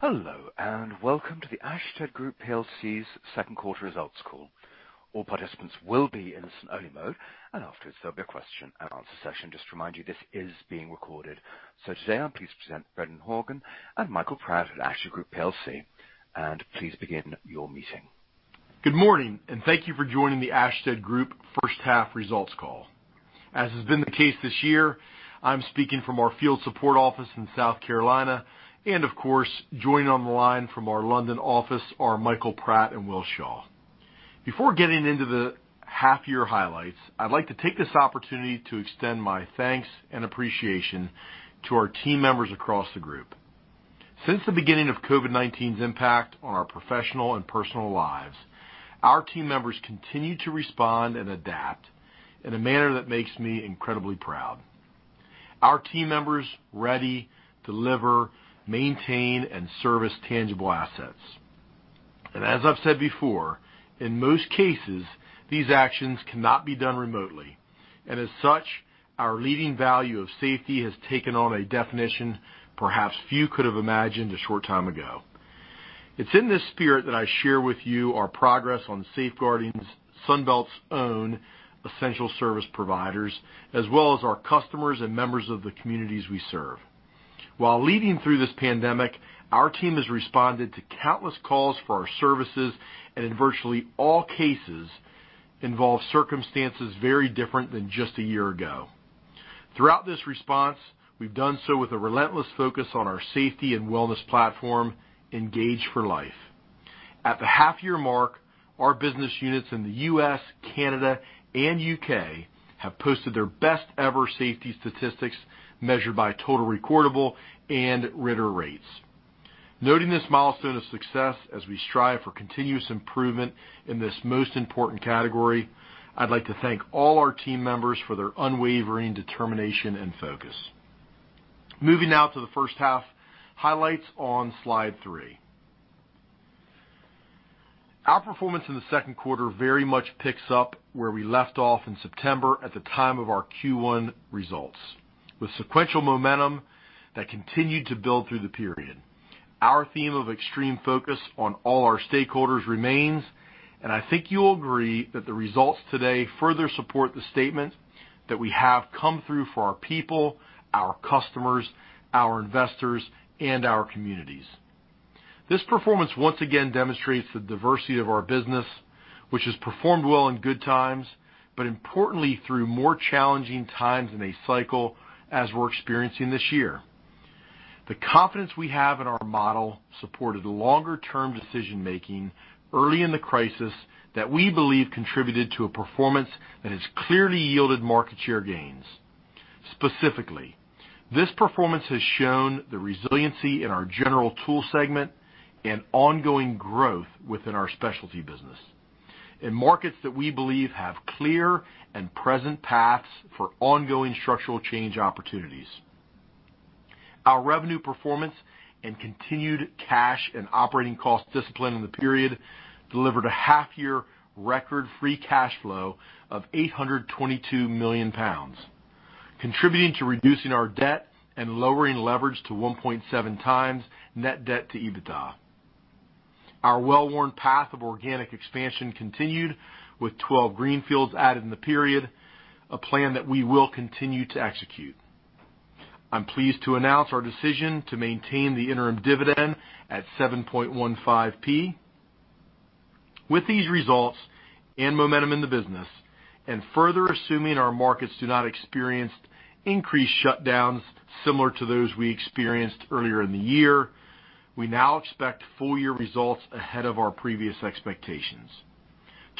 Hello, and welcome to the Ashtead Group PLC's Q2 results call. All participants will be in listen-only mode, and afterwards there'll be a question and answer session just to remind you, this is being recorded. Today I'm pleased to present Brendan Horgan and Michael Pratt at Ashtead Group PLC. Please begin your meeting. Good morning, thank you for joining the Ashtead Group first half results call. As has been the case this year, I'm speaking from our field support office in South Carolina, and of course, joining on the line from our London office are Michael Pratt and Will Shaw. Before getting into the half year highlights, I'd like to take this opportunity to extend my thanks and appreciation to our team members across the group. Since the beginning of COVID-19's impact on our professional and personal lives, our team members continue to respond and adapt in a manner that makes me incredibly proud. Our team members ready, deliver, maintain, and service tangible assets. As I've said before, in most cases, these actions cannot be done remotely, and as such, our leading value of safety has taken on a definition perhaps few could have imagined a short time ago. It's in this spirit that I share with you our progress on safeguarding Sunbelt's own essential service providers, as well as our customers and members of the communities we serve. While leading through this pandemic, our team has responded to countless calls for our services, and in virtually all cases, involve circumstances very different than just a year ago. Throughout this response, we've done so with a relentless focus on our safety and wellness platform, Engage for Life. At the half-year mark, our business units in the U.S., Canada, and U.K. have posted their best ever safety statistics measured by Total Recordable and Incident Rate. Noting this milestone of success as we strive for continuous improvement in this most important category, I'd like to thank all our team members for their unwavering determination and focus. Moving now to the first half highlights on slide three. Our performance in the Q2 very much picks up where we left off in September at the time of our Q1 results, with sequential momentum that continued to build through the period. Our theme of extreme focus on all our stakeholders remains, and I think you'll agree that the results today further support the statement that we have come through for our people, our customers, our investors, and our communities. This performance once again demonstrates the diversity of our business, which has performed well in good times, but importantly, through more challenging times in a cycle as we're experiencing this year. The confidence we have in our model supported longer-term decision making early in the crisis that we believe contributed to a performance that has clearly yielded market share gains. Specifically, this performance has shown the resiliency in our general tool segment and ongoing growth within our specialty business in markets that we believe have clear and present paths for ongoing structural change opportunities. Our revenue performance and continued cash and operating cost discipline in the period delivered a half-year record free cash flow of 822 million pounds, contributing to reducing our debt and lowering leverage to 1.7x net debt to EBITDA. Our well-worn path of organic expansion continued with 12 greenfields added in the period, a plan that we will continue to execute. I'm pleased to announce our decision to maintain the interim dividend at 0.0715. With these results and momentum in the business, and further assuming our markets do not experience increased shutdowns similar to those we experienced earlier in the year, we now expect full-year results ahead of our previous expectations.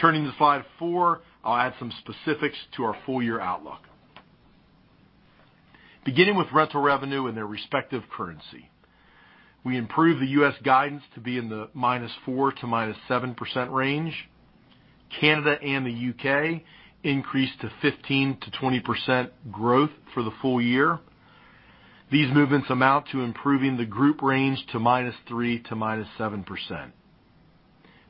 Turning to slide four, I'll add some specifics to our full-year outlook. Beginning with rental revenue in their respective currency, we improved the U.S. guidance to be in the -4% to -7% range. Canada and the U.K. increased to 15%-20% growth for the full year. These movements amount to improving the group range to -3% to -7%.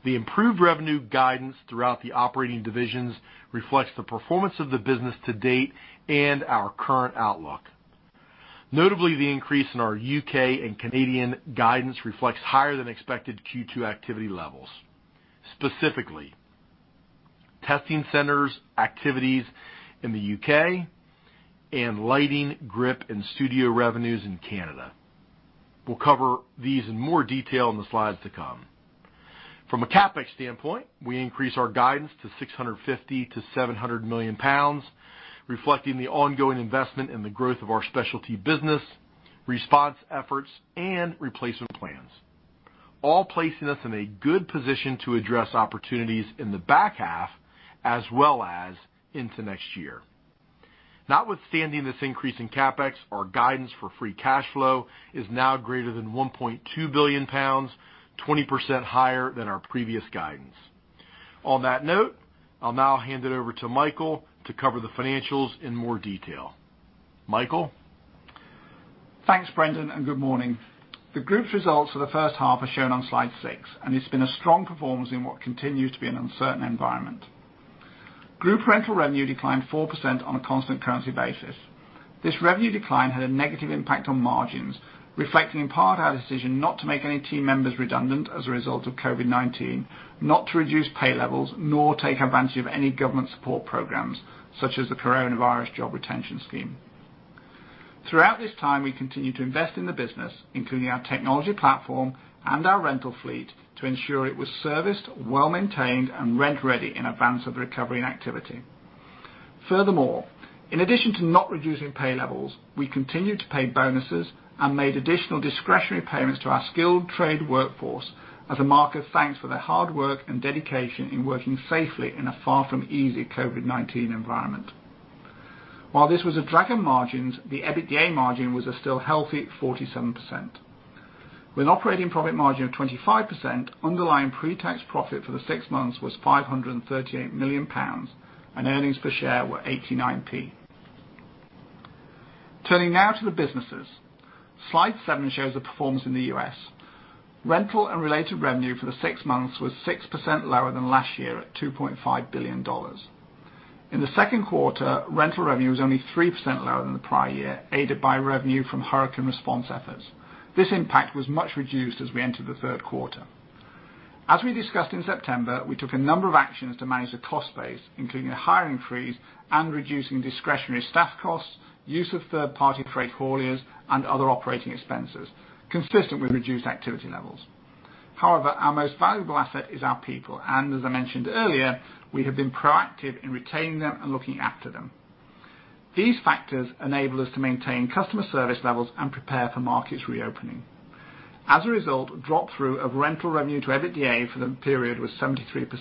The improved revenue guidance throughout the operating divisions reflects the performance of the business to date and our current outlook. Notably, the increase in our U.K. and Canadian guidance reflects higher than expected Q2 activity levels, specifically testing centers, activities in the U.K., and lighting, grip, and studio revenues in Canada. We'll cover these in more detail in the slides to come. From a CapEx standpoint, we increased our guidance to 650 million-700 million pounds, reflecting the ongoing investment in the growth of our specialty business, response efforts, and replacement plans, all placing us in a good position to address opportunities in the back half as well as into next year. Notwithstanding this increase in CapEx, our guidance for free cash flow is now greater than 1.2 billion pounds, 20% higher than our previous guidance. On that note, I will now hand it over to Michael to cover the financials in more detail. Michael? Thanks, Brendan and good morning. The group's results for the first half are shown on slide six, and it's been a strong performance in what continues to be an uncertain environment. Group rental revenue declined 4% on a constant currency basis. This revenue decline had a negative impact on margins, reflecting in part our decision not to make any team members redundant as a result of COVID-19, not to reduce pay levels, nor take advantage of any government support programs such as the Coronavirus Job Retention Scheme. Throughout this time, we continued to invest in the business, including our technology platform and our rental fleet, to ensure it was serviced, well-maintained, and rent-ready in advance of the recovery and activity. Furthermore, in addition to not reducing pay levels, we continued to pay bonuses and made additional discretionary payments to our skilled trade workforce as a mark of thanks for their hard work and dedication in working safely in a far from easy COVID-19 environment. While this was a drag on margins, the EBITDA margin was a still healthy 47%. With operating profit margin of 25%, underlying pre-tax profit for the six months was 538 million pounds, and earnings per share were 0.89. Turning now to the businesses. Slide seven shows the performance in the U.S. Rental and related revenue for the six months was 6% lower than last year at $2.5 billion. In the Q2, rental revenue was only 3% lower than the prior year, aided by revenue from hurricane response efforts. This impact was much reduced as we entered the Q3. As we discussed in September, we took a number of actions to manage the cost base, including a hiring freeze and reducing discretionary staff costs, use of third-party freight hauliers, and other operating expenses consistent with reduced activity levels. However, our most valuable asset is our people, and as I mentioned earlier, we have been proactive in retaining them and looking after them. These factors enable us to maintain customer service levels and prepare for markets reopening. As a result, drop-through of rental revenue to EBITDA for the period was 73%.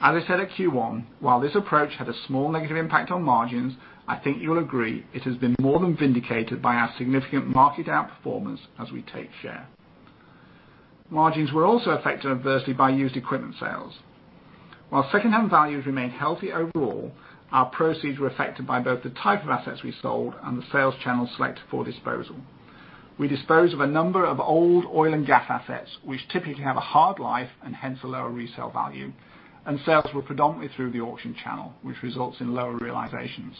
As I said at Q1, while this approach had a small negative impact on margins, I think you'll agree it has been more than vindicated by our significant market outperformance as we take share. Margins were also affected adversely by used equipment sales. While secondhand values remain healthy overall, our proceeds were affected by both the type of assets we sold and the sales channels selected for disposal. We disposed of a number of old oil and gas assets, which typically have a hard life and hence a lower resale value, and sales were predominantly through the auction channel, which results in lower realizations.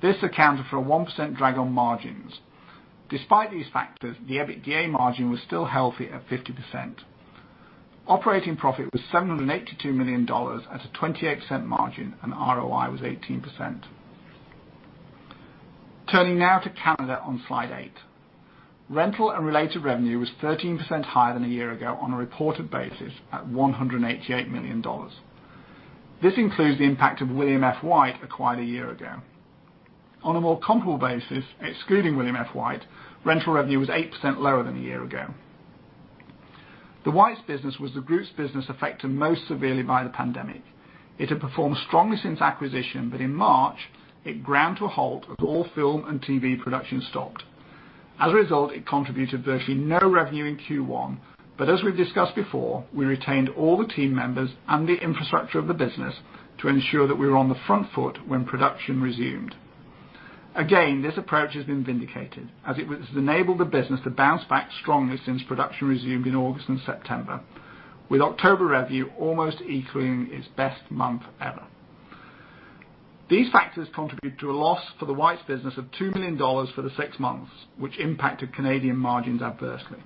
This accounted for a 1% drag on margins. Despite these factors, the EBITDA margin was still healthy at 50%. Operating profit was $782 million at a 28% margin, and ROI was 18%. Turning now to Canada on Slide eight. Rental and related revenue was 13% higher than a year ago on a reported basis at $188 million. This includes the impact of William F. White acquired a year ago. On a more comparable basis, excluding William F. White, rental revenue was 8% lower than a year ago. The Whites business was the group's business affected most severely by the pandemic. It had performed strongly since acquisition in March, it ground to a halt as all film and TV production stopped. As a result, it contributed virtually no revenue in Q1. As we've discussed before, we retained all the team members and the infrastructure of the business to ensure that we were on the front foot when production resumed. Again, this approach has been vindicated as it has enabled the business to bounce back strongly since production resumed in August and September, with October revenue almost equaling its best month ever. These factors contribute to a loss for the Whites business of GBP 2 million for the six months, which impacted Canadian margins adversely.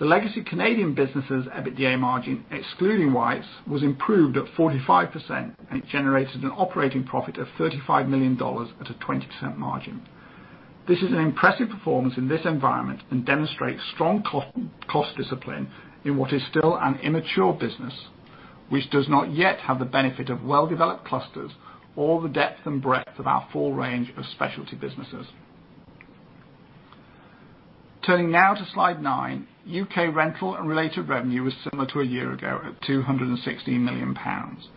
The legacy Canadian businesses EBITDA margin, excluding Whites, was improved at 45% and it generated an operating profit of $35 million at a 20% margin. This is an impressive performance in this environment and demonstrates strong cost discipline in what is still an immature business, which does not yet have the benefit of well-developed clusters or the depth and breadth of our full range of specialty businesses. Turning now to slide nine, U.K. rental and related revenue was similar to a year ago at 260 million pounds.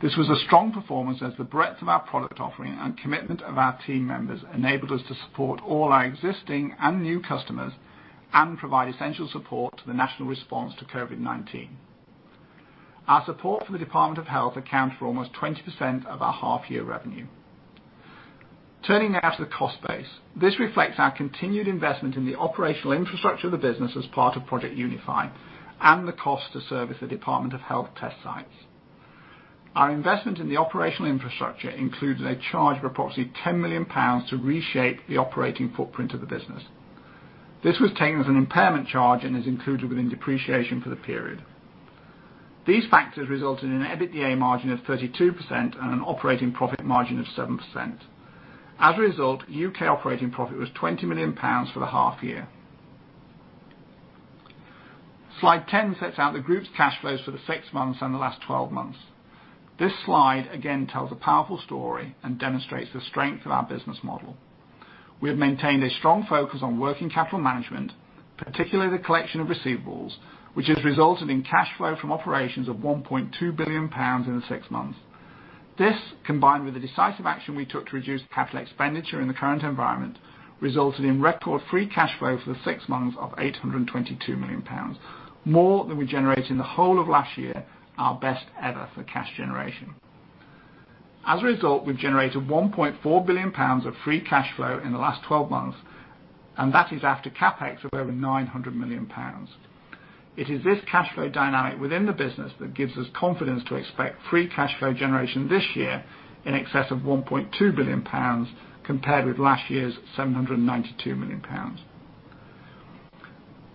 This was a strong performance as the breadth of our product offering and commitment of our team members enabled us to support all our existing and new customers and provide essential support to the national response to COVID-19. Our support for the Department of Health accounts for almost 20% of our half-year revenue. Turning now to the cost base. This reflects our continued investment in the operational infrastructure of the business as part of Project Unify and the cost to service the Department of Health test sites. Our investment in the operational infrastructure included a charge of approximately 10 million pounds to reshape the operating footprint of the business. This was taken as an impairment charge and is included within depreciation for the period. These factors resulted in an EBITDA margin of 32% and an operating profit margin of 7%. As a result, U.K. operating profit was 20 million pounds for the half year. Slide 10 sets out the group's cash flows for the six months and the last 12 months. This slide again tells a powerful story and demonstrates the strength of our business model. We have maintained a strong focus on working capital management, particularly the collection of receivables, which has resulted in cash flow from operations of 1.2 billion pounds in the six months. This, combined with the decisive action we took to reduce capital expenditure in the current environment, resulted in record free cash flow for the six months of 822 million pounds, more than we generated in the whole of last year, our best ever for cash generation. As a result, we've generated 1.4 billion pounds of free cash flow in the last 12 months, and that is after CapEx of over 900 million pounds. It is this cash flow dynamic within the business that gives us confidence to expect free cash flow generation this year in excess of 1.2 billion pounds, compared with last year's 792 million pounds.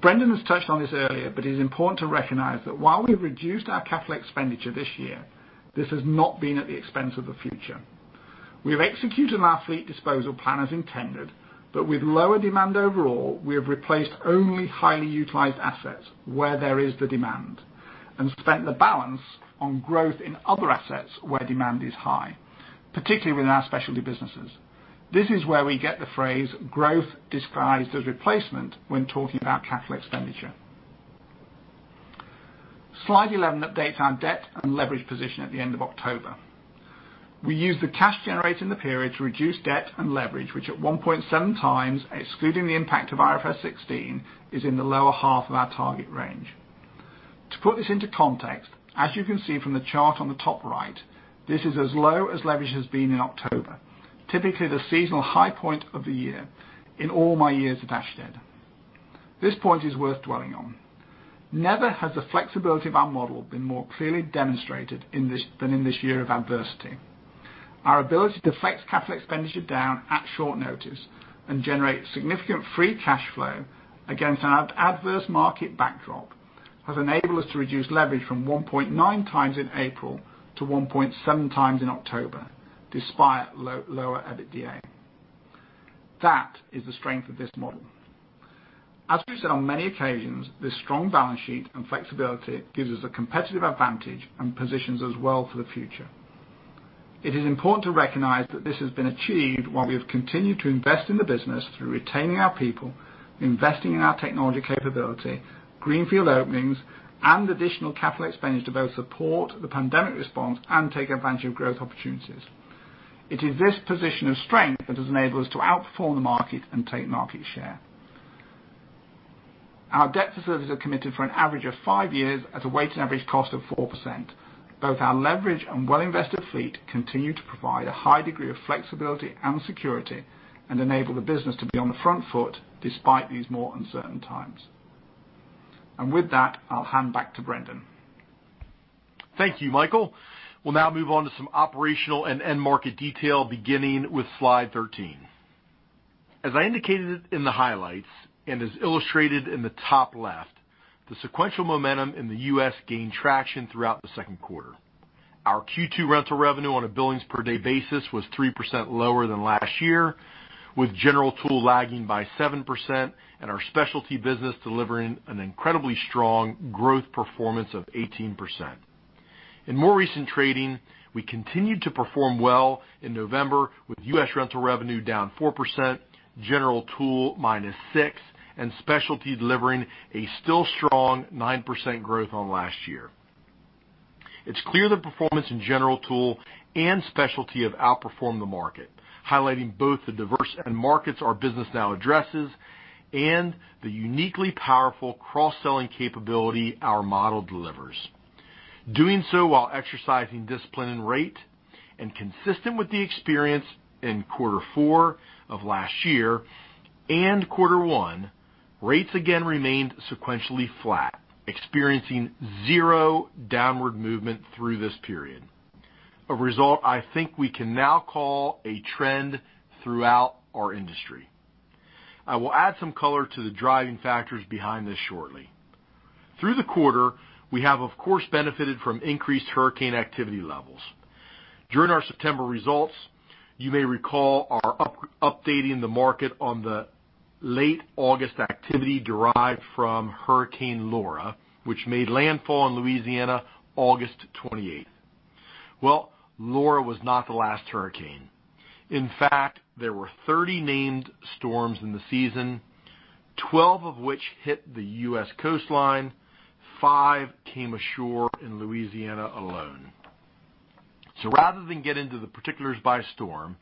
Brendan has touched on this earlier, but it is important to recognize that while we've reduced our capital expenditure this year, this has not been at the expense of the future. We have executed our fleet disposal plan as intended, but with lower demand overall, we have replaced only highly utilized assets where there is the demand and spent the balance on growth in other assets where demand is high, particularly within our specialty businesses. This is where we get the phrase growth disguised as replacement when talking about capital expenditure. Slide 11 updates our debt and leverage position at the end of October. We used the cash generated in the period to reduce debt and leverage, which at 1.7x, excluding the impact of IFRS 16, is in the lower half of our target range. To put this into context, as you can see from the chart on the top right, this is as low as leverage has been in October, typically the seasonal high point of the year in all my years at Ashtead. This point is worth dwelling on. Never has the flexibility of our model been more clearly demonstrated than in this year of adversity. Our ability to flex capital expenditure down at short notice and generate significant free cash flow against an adverse market backdrop has enabled us to reduce leverage from 1.9x in April to 1.7x in October, despite lower EBITDA. That is the strength of this model. As we've said on many occasions, this strong balance sheet and flexibility gives us a competitive advantage and positions us well for the future. It is important to recognize that this has been achieved while we have continued to invest in the business through retaining our people, investing in our technology capability, greenfield openings, and additional capital expenditure to both support the pandemic response and take advantage of growth opportunities. It is this position of strength that has enabled us to outperform the market and take market share. Our debt facilities are committed for an average of five years at a weighted average cost of 4%. Both our leverage and well-invested fleet continue to provide a high degree of flexibility and security and enable the business to be on the front foot despite these more uncertain times. With that, I'll hand back to Brendan. Thank you, Michael. We will now move on to some operational and end market detail, beginning with slide 13. As I indicated in the highlights and is illustrated in the top left, the sequential momentum in the U.S. gained traction throughout the Q2. Our Q2 rental revenue on a billings per day basis was 3% lower than last year, with general tool lagging by 7% and our specialty business delivering an incredibly strong growth performance of 18%. In more recent trading, we continued to perform well in November with U.S. rental revenue down 4%, general tool -6%, and specialty delivering a still strong 9% growth on last year. It is clear the performance in general tool and specialty have outperformed the market, highlighting both the diverse end markets our business now addresses and the uniquely powerful cross-selling capability our model delivers. Doing so while exercising discipline and rate and consistent with the experience in Q4 of last year and Q1, rates again remained sequentially flat, experiencing zero downward movement through this period. A result I think we can now call a trend throughout our industry. I will add some color to the driving factors behind this shortly. Through the quarter, we have, of course, benefited from increased hurricane activity levels. During our September results, you may recall our updating the market on the late August activity derived from Hurricane Laura, which made landfall in Louisiana 28 August, well, Laura was not the last hurricane. In fact, there were 30 named storms in the season, 12 of which hit the U.S. coastline. Five came ashore in Louisiana alone. Rather than get into the particulars by storm,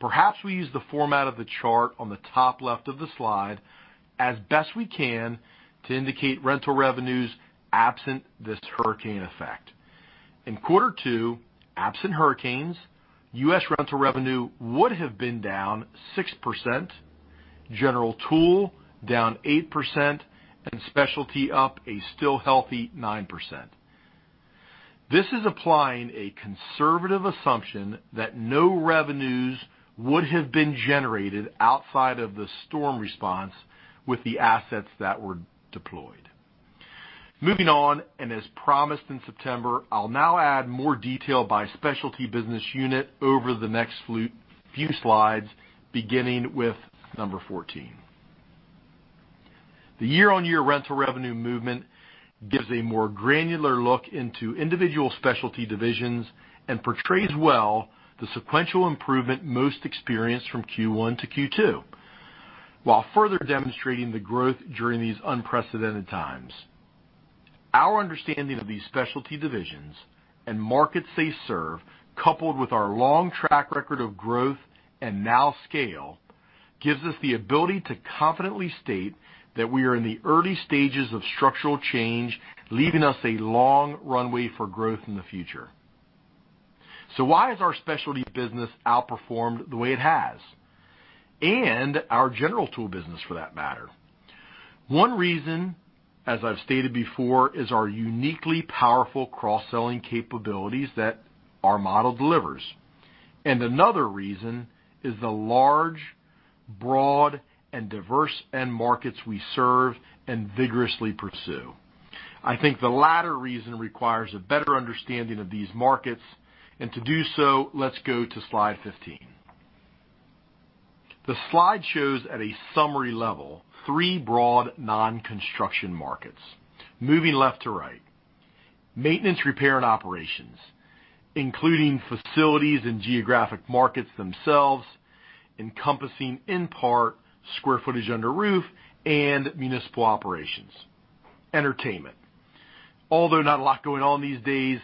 perhaps we use the format of the chart on the top left of the slide as best we can to indicate rental revenues absent this hurricane effect. In Q2, absent hurricanes, U.S. rental revenue would have been down 6%, general tool down 8%, and specialty up a still healthy 9%. This is applying a conservative assumption that no revenues would have been generated outside of the storm response with the assets that were deployed. Moving on, as promised in September, I’ll now add more detail by specialty business unit over the next few slides, beginning with number 14. The year-on-year rental revenue movement gives a more granular look into individual specialty divisions and portrays well the sequential improvement most experienced from Q1 to Q2 while further demonstrating the growth during these unprecedented times. Our understanding of these specialty divisions and markets they serve, coupled with our long track record of growth and now scale gives us the ability to confidently state that we are in the early stages of structural change, leaving us a long runway for growth in the future. Why has our specialty business outperformed the way it has? Our general tool business, for that matter. One reason, as I've stated before, is our uniquely powerful cross-selling capabilities that our model delivers. Another reason is the large, broad, and diverse end markets we serve and vigorously pursue. I think the latter reason requires a better understanding of these markets, and to do so, let's go to slide 15. The slide shows at a summary level three broad non-construction markets, moving left to right. Maintenance, repair, and operations, including facilities and geographic markets themselves, encompassing, in part, square footage under roof and municipal operations. Entertainment. Although not a lot going on these days,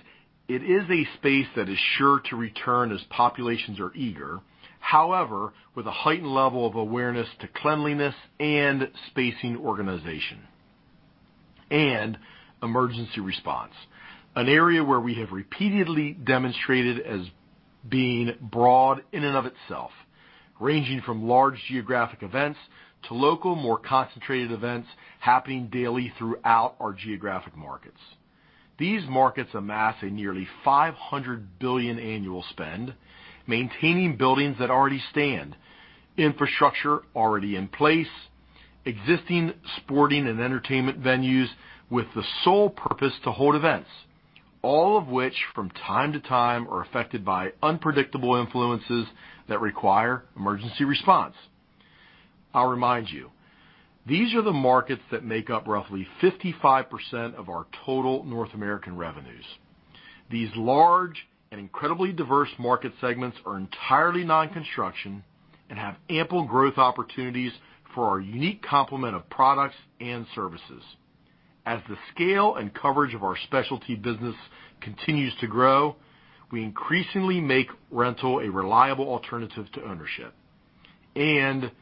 it is a space that is sure to return as populations are eager, however, with a heightened level of awareness to cleanliness and spacing organization- And emergency response, an area where we have repeatedly demonstrated as being broad in and of itself. Ranging from large geographic events to local, more concentrated events happening daily throughout our geographic markets. These markets amass a nearly 500 billion annual spend maintaining buildings that already stand, infrastructure already in place, existing sporting and entertainment venues with the sole purpose to hold events. All of which from time to time are affected by unpredictable influences that require emergency response. I'll remind you, these are the markets that make up roughly 55% of our total North American revenues. These large and incredibly diverse market segments are entirely non-construction and have ample growth opportunities for our unique complement of products and services. As the scale and coverage of our specialty business continues to grow, we increasingly make rental a reliable alternative to ownership. And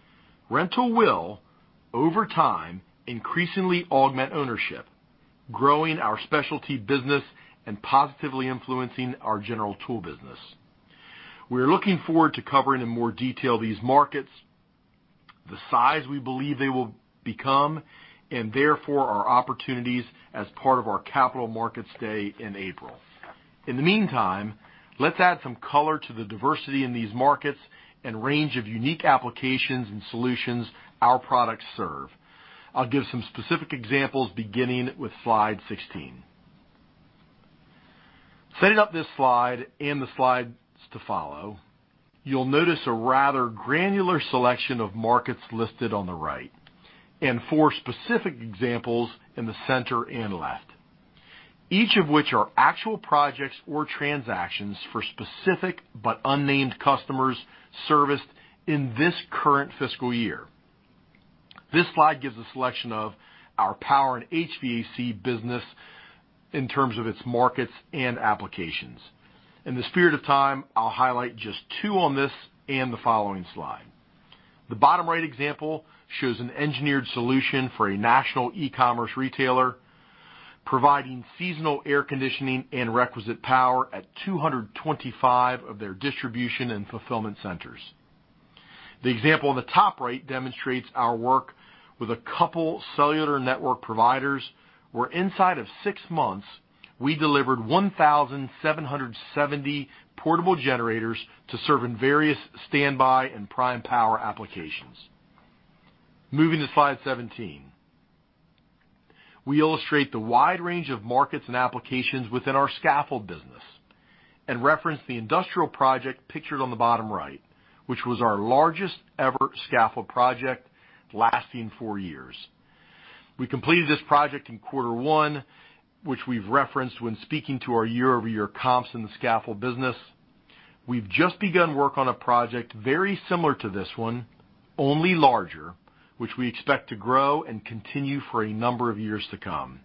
rental will, over time, increasingly augment ownership, growing our specialty business and positively influencing our general tool business. We're looking forward to covering in more detail these markets, the size we believe they will become, and therefore our opportunities as part of our Capital Markets Day in April. In the meantime, let's add some color to the diversity in these markets and range of unique applications and solutions our products serve. I'll give some specific examples beginning with slide 16. Setting up this slide and the slides to follow, you'll notice a rather granular selection of markets listed on the right, and four specific examples in the center and left, each of which are actual projects or transactions for specific but unnamed customers serviced in this current fiscal year. This slide gives a selection of our power and HVAC business in terms of its markets and applications. In the spirit of time, I'll highlight just two on this and the following slide. The bottom right example shows an engineered solution for a national e-commerce retailer, providing seasonal air conditioning and requisite power at 225 of their distribution and fulfillment centers. The example on the top right demonstrates our work with a couple cellular network providers, where inside of six months, we delivered 1,770 portable generators to serve in various standby and prime power applications. Moving to slide 17. We illustrate the wide range of markets and applications within our scaffold business and reference the industrial project pictured on the bottom right, which was our largest-ever scaffold project lasting four years. We completed this project in Q1, which we've referenced when speaking to our year-over-year comps in the scaffold business. We've just begun work on a project very similar to this one, only larger, which we expect to grow and continue for a number of years to come.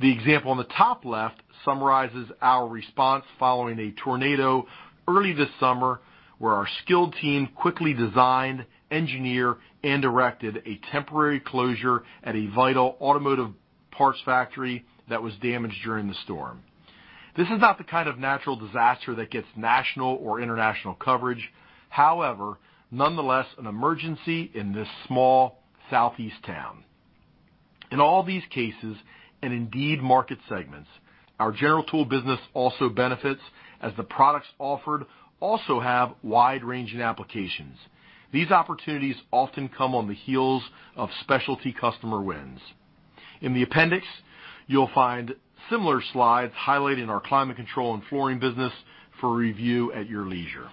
The example on the top left summarizes our response following a tornado early this summer, where our skilled team quickly designed, engineered, and directed a temporary closure at a vital automotive parts factory that was damaged during the storm. This is not the kind of natural disaster that gets national or international coverage. However, nonetheless, an emergency in this small Southeast town. In all these cases, and indeed market segments, our general tool business also benefits as the products offered also have wide-ranging applications. These opportunities often come on the heels of specialty customer wins. In the appendix, you'll find similar slides highlighting our Climate Control and Flooring business for review at your leisure.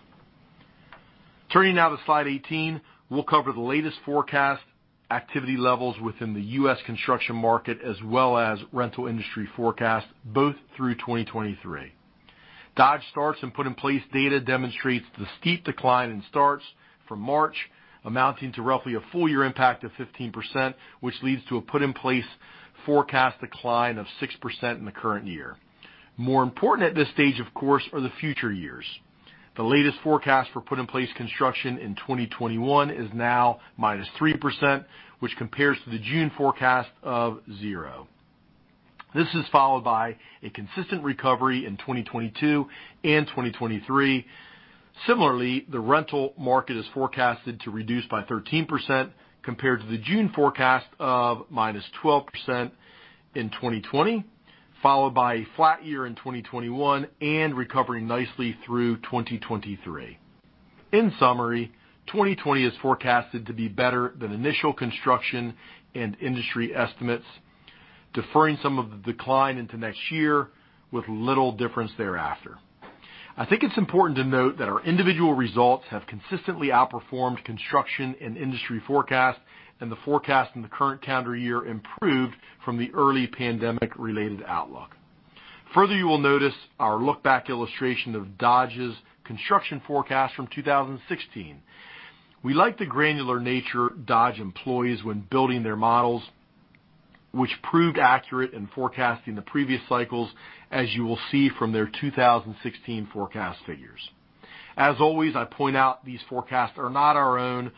Turning now to slide 18, we'll cover the latest forecast activity levels within the U.S. construction market, as well as rental industry forecast, both through 2023. Dodge starts and put in place data demonstrates the steep decline in starts from March, amounting to roughly a full-year impact of 15%, which leads to a put-in-place forecast decline of 6% in the current year. More important at this stage, of course, are the future years. The latest forecast for put in place construction in 2021 is now -3%, which compares to the June forecast of zero. This is followed by a consistent recovery in 2022 and 2023. Similarly, the rental market is forecasted to reduce by 13%, compared to the June forecast of minus 12% in 2020, followed by a flat year in 2021, and recovering nicely through 2023. In summary, 2020 is forecasted to be better than initial construction and industry estimates, deferring some of the decline into next year, with little difference thereafter. I think it's important to note that our individual results have consistently outperformed construction and industry forecasts, and the forecast in the current calendar year improved from the early pandemic-related outlook. Further, you will notice our look-back illustration of Dodge's construction forecast from 2016. We like the granular nature Dodge employs when building their models, which proved accurate in forecasting the previous cycles, as you will see from their 2016 forecast figures. As always, I point out these forecasts are not our own.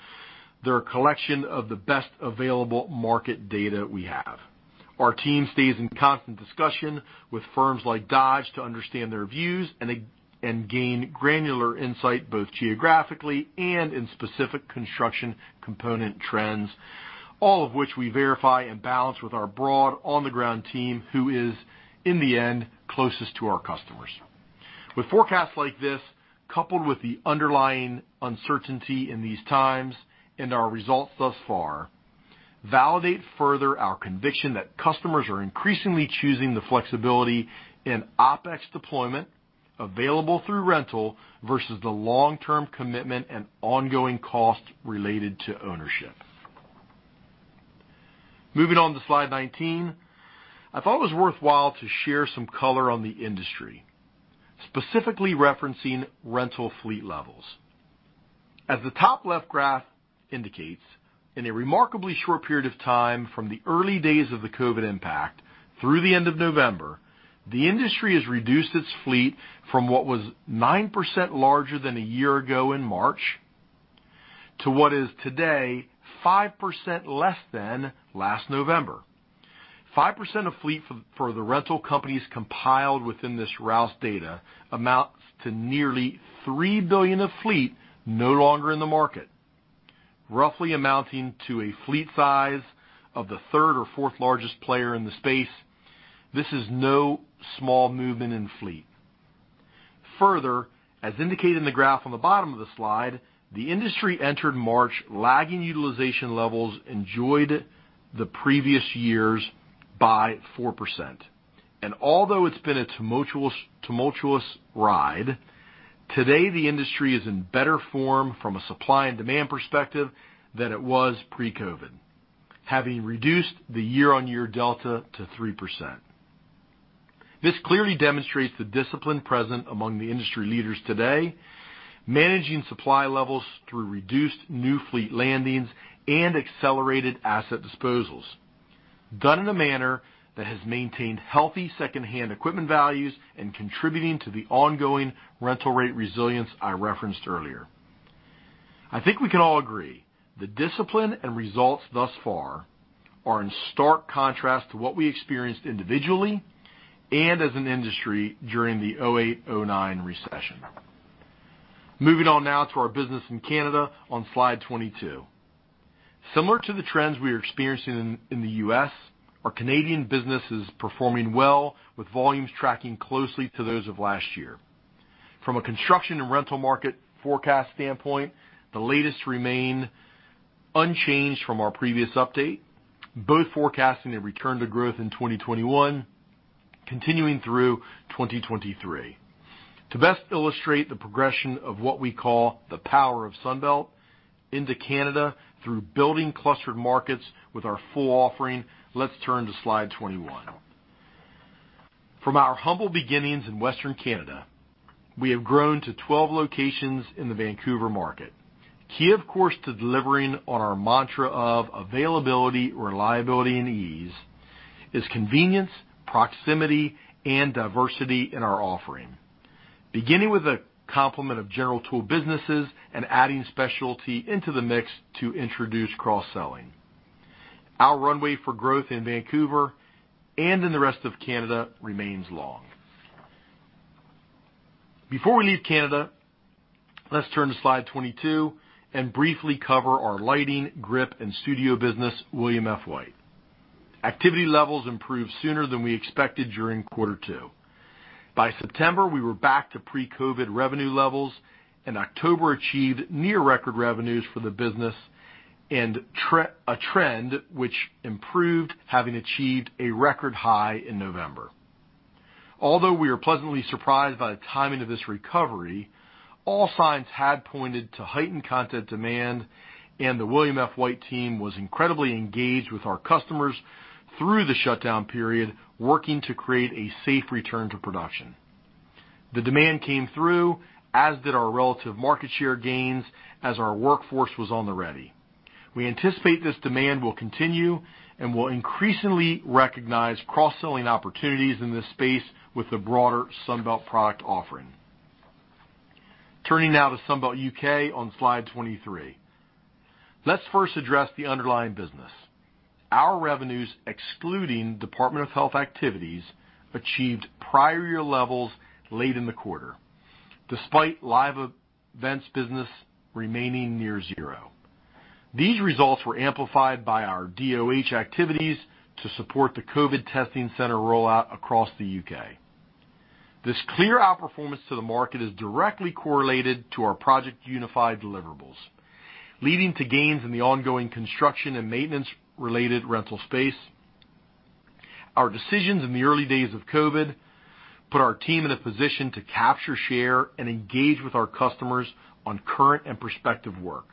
They're a collection of the best available market data we have. Our team stays in constant discussion with firms like Dodge to understand their views and gain granular insight, both geographically and in specific construction component trends, all of which we verify and balance with our broad, on-the-ground team, who is, in the end, closest to our customers. With forecasts like this, coupled with the underlying uncertainty in these times and our results thus far, validate further our conviction that customers are increasingly choosing the flexibility in OpEx deployment available through rental versus the long-term commitment and ongoing cost related to ownership. Moving on to slide 19. I thought it was worthwhile to share some color on the industry, specifically referencing rental fleet levels. As the top-left graph indicates, in a remarkably short period of time from the early days of the COVID-19 impact through the end of November, the industry has reduced its fleet from what was 9% larger than a year ago in March to what is today 5% less than last November. 5% of fleet for the rental companies compiled within this Rouse data amounts to nearly 3 billion of fleet no longer in the market, roughly amounting to a fleet size of the third or fourth-largest player in the space. This is no small movement in fleet. Further, as indicated in the graph on the bottom of the slide, the industry entered March lagging utilization levels enjoyed the previous years by 4%. Although it's been a tumultuous ride, today the industry is in better form from a supply and demand perspective than it was pre-COVID, having reduced the year-over-year delta to 3%. This clearly demonstrates the discipline present among the industry leaders today, managing supply levels through reduced new fleet landings and accelerated asset disposals, done in a manner that has maintained healthy secondhand equipment values and contributing to the ongoing rental rate resilience I referenced earlier. I think we can all agree the discipline and results thus far are in stark contrast to what we experienced individually and as an industry during the '2008, '2009 recession. Moving on now to our business in Canada on slide 22. Similar to the trends we are experiencing in the U.S., our Canadian business is performing well, with volumes tracking closely to those of last year. From a construction and rental market forecast standpoint, the latest remain unchanged from our previous update, both forecasting a return to growth in 2021, continuing through 2023. To best illustrate the progression of what we call the power of Sunbelt into Canada through building clustered markets with our full offering, let's turn to slide 21. From our humble beginnings in Western Canada, we have grown to 12 locations in the Vancouver market. Key, of course, to delivering on our mantra of availability, reliability, and ease is convenience, proximity, and diversity in our offering. Beginning with a complement of general tool businesses and adding specialty into the mix to introduce cross-selling. Our runway for growth in Vancouver and in the rest of Canada remains long. Before we leave Canada, let's turn to slide 22 and briefly cover our lighting, grip, and studio business, William F. White. Activity levels improved sooner than we expected during Q2. By September, we were back to pre-COVID-19 revenue levels. In October, achieved near record revenues for the business, and a trend which improved, having achieved a record high in November. Although we are pleasantly surprised by the timing of this recovery, all signs had pointed to heightened content demand, and the William F. White team was incredibly engaged with our customers through the shutdown period, working to create a safe return to production. The demand came through, as did our relative market share gains as our workforce was on the ready. We anticipate this demand will continue and will increasingly recognize cross-selling opportunities in this space with the broader Sunbelt product offering. Turning now to Sunbelt UK on slide 23. Let's first address the underlying business. Our revenues, excluding Department of Health activities, achieved prior year levels late in the quarter, despite live events business remaining near zero. These results were amplified by our DOH activities to support the COVID testing center rollout across the U.K. This clear outperformance to the market is directly correlated to our Project Unify deliverables, leading to gains in the ongoing construction and maintenance-related rental space. Our decisions in the early days of COVID put our team in a position to capture, share, and engage with our customers on current and prospective work.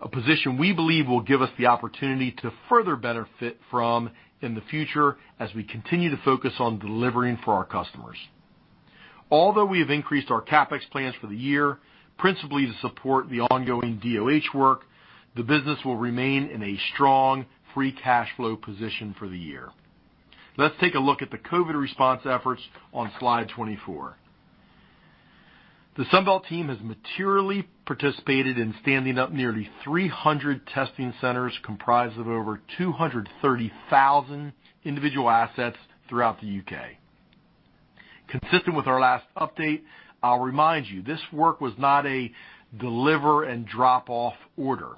A position we believe will give us the opportunity to further benefit from in the future as we continue to focus on delivering for our customers. Although we have increased our CapEx plans for the year, principally to support the ongoing DOH work, the business will remain in a strong free cash flow position for the year. Let's take a look at the COVID-19 response efforts on slide 24. The Sunbelt Rentals team has materially participated in standing up nearly 300 testing centers comprised of over 230,000 individual assets throughout the U.K. Consistent with our last update, I'll remind you, this work was not a deliver and drop-off order,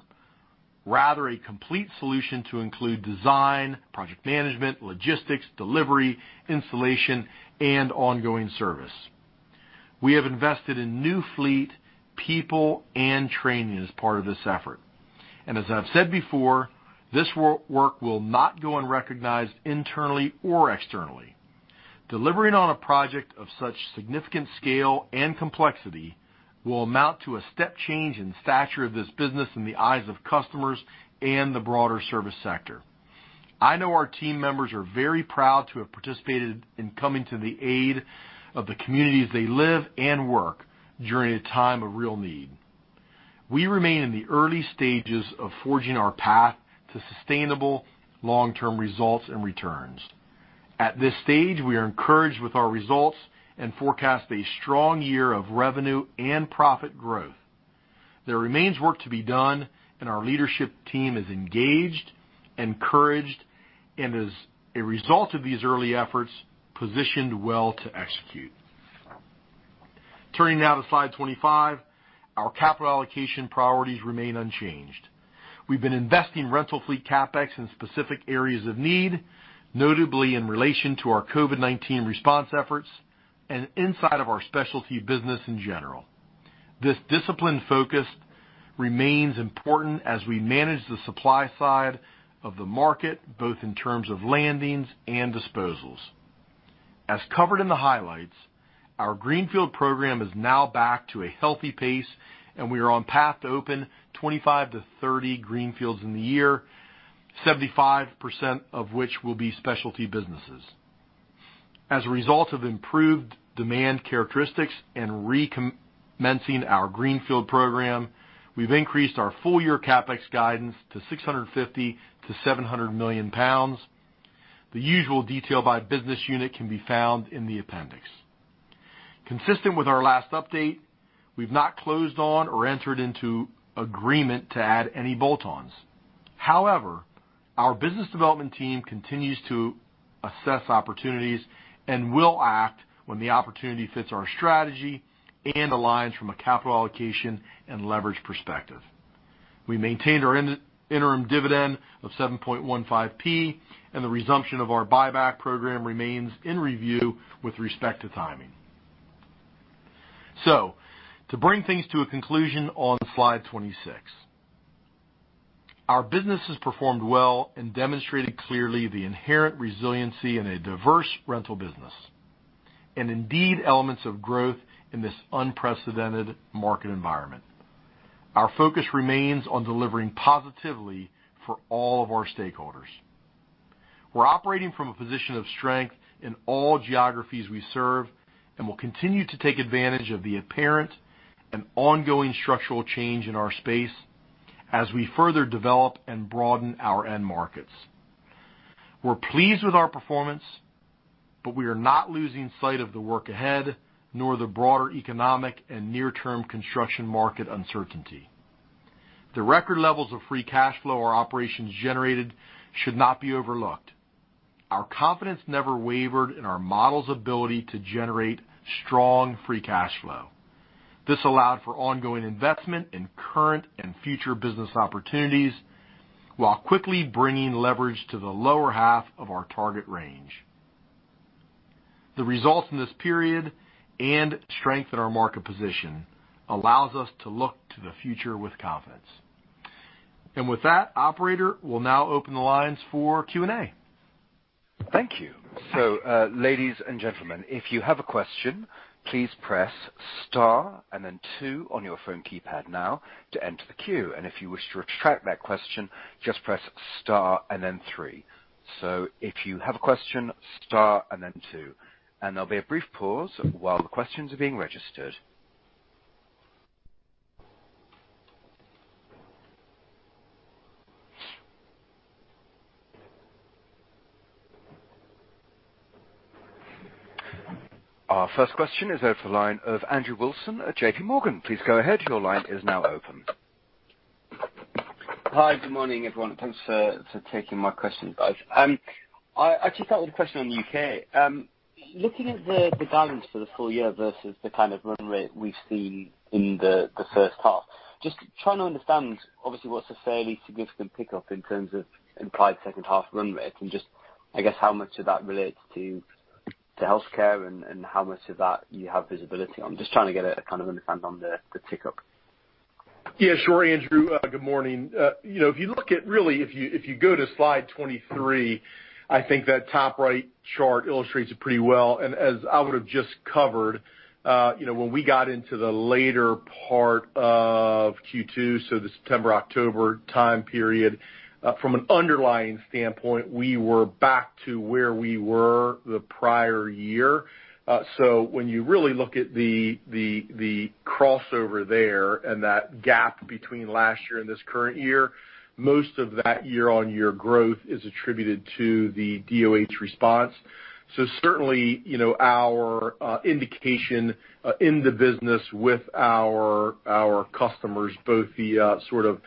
rather, a complete solution to include design, project management, logistics, delivery, installation, and ongoing service. We have invested in new fleet, people, and training as part of this effort. As I've said before, this work will not go unrecognized internally or externally. Delivering on a project of such significant scale and complexity will amount to a step change in stature of this business in the eyes of customers and the broader service sector. I know our team members are very proud to have participated in coming to the aid of the communities they live and work during a time of real need. We remain in the early stages of forging our path to sustainable long-term results and returns. At this stage, we are encouraged with our results and forecast a strong year of revenue and profit growth. There remains work to be done, and our leadership team is engaged, encouraged, and as a result of these early efforts, positioned well to execute. Turning now to slide 25, our capital allocation priorities remain unchanged. We've been investing rental fleet CapEx in specific areas of need, notably in relation to our COVID-19 response efforts and inside of our specialty business in general. This disciplined focus remains important as we manage the supply side of the market, both in terms of landings and disposals. As covered in the highlights, our greenfield program is now back to a healthy pace, and we are on path to open 25 to 30 greenfields in the year, 75% of which will be specialty businesses. As a result of improved demand characteristics and recommencing our greenfield program, we've increased our full-year CapEx guidance to 650 million-700 million pounds. The usual detail by business unit can be found in the appendix. Consistent with our last update, we've not closed on or entered into agreement to add any bolt-ons. However, our business development team continues to assess opportunities and will act when the opportunity fits our strategy and aligns from a capital allocation and leverage perspective. We maintained our interim dividend of 0.0715, and the resumption of our buyback program remains in review with respect to timing. To bring things to a conclusion on slide 26. Our business has performed well and demonstrated clearly the inherent resiliency in a diverse rental business, and indeed elements of growth in this unprecedented market environment. Our focus remains on delivering positively for all of our stakeholders. We are operating from a position of strength in all geographies we serve and will continue to take advantage of the apparent and ongoing structural change in our space as we further develop and broaden our end markets. We are pleased with our performance, but we are not losing sight of the work ahead, nor the broader economic and near-term construction market uncertainty. The record levels of free cash flow our operations generated should not be overlooked. Our confidence never wavered in our model's ability to generate strong free cash flow. This allowed for ongoing investment in current and future business opportunities while quickly bringing leverage to the lower half of our target range. The results in this period and strength in our market position allows us to look to the future with confidence. With that, operator, we'll now open the lines for Q&A. Thank you. Ladies and gentlemen, if you have a question, please press star and then two on your phone keypad now to enter the queue and if you wish to retract that question, just press star and then three. If you have a question, star and then two. There'll be a brief pause while the questions are being registered. Our first question is over the line of Andrew Wilson at J.P. Morgan please go ahead your line is now open. Hi. Good morning, everyone thanks for taking my question, guys. I actually started with a question on the U.K. Looking at the guidance for the full year versus the kind of run rate we've seen in the first half, just trying to understand, obviously, what's a fairly significant pickup in terms of implied second half run rate and just, I guess, how much of that relates to healthcare and how much of that you have visibility on just trying to get a kind of understand on the pickup. Yeah, sure. Andrew, good morning. If you go to slide 23, I think that top right chart illustrates it pretty well. As I would've just covered, when we got into the later part of Q2, so the September, October time period, from an underlying standpoint, we were back to where we were the prior year. When you really look at the crossover there and that gap between last year and this current year, most of that year-on-year growth is attributed to the DOH response. Certainly, our indication in the business with our customers, both the sort of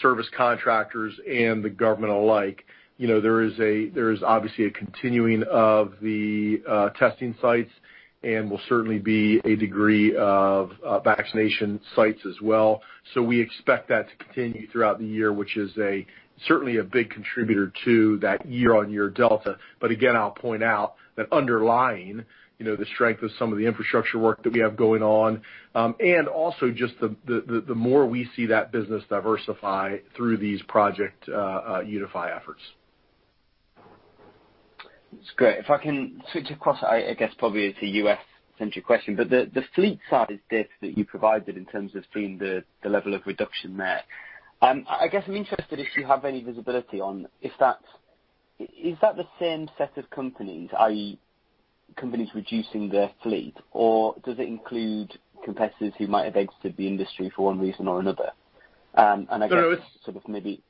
service contractors and the government alike, there is obviously a continuing of the testing sites and will certainly be a degree of vaccination sites as well. We expect that to continue throughout the year, which is certainly a big contributor to that year-on-year delta. Again, I'll point out that underlying the strength of some of the infrastructure work that we have going on, and also just the more we see that business diversify through these Project Unify efforts. That's great if I can switch across, I guess, probably to U.S.-centric question, but the fleet size diff that you provided in terms of seeing the level of reduction there, I guess I'm interested if you have any visibility on if that's the same set of companies, i.e., companies reducing their fleet? or does it include competitors who might have exited the industry for one reason or another? I guess sort of maybe?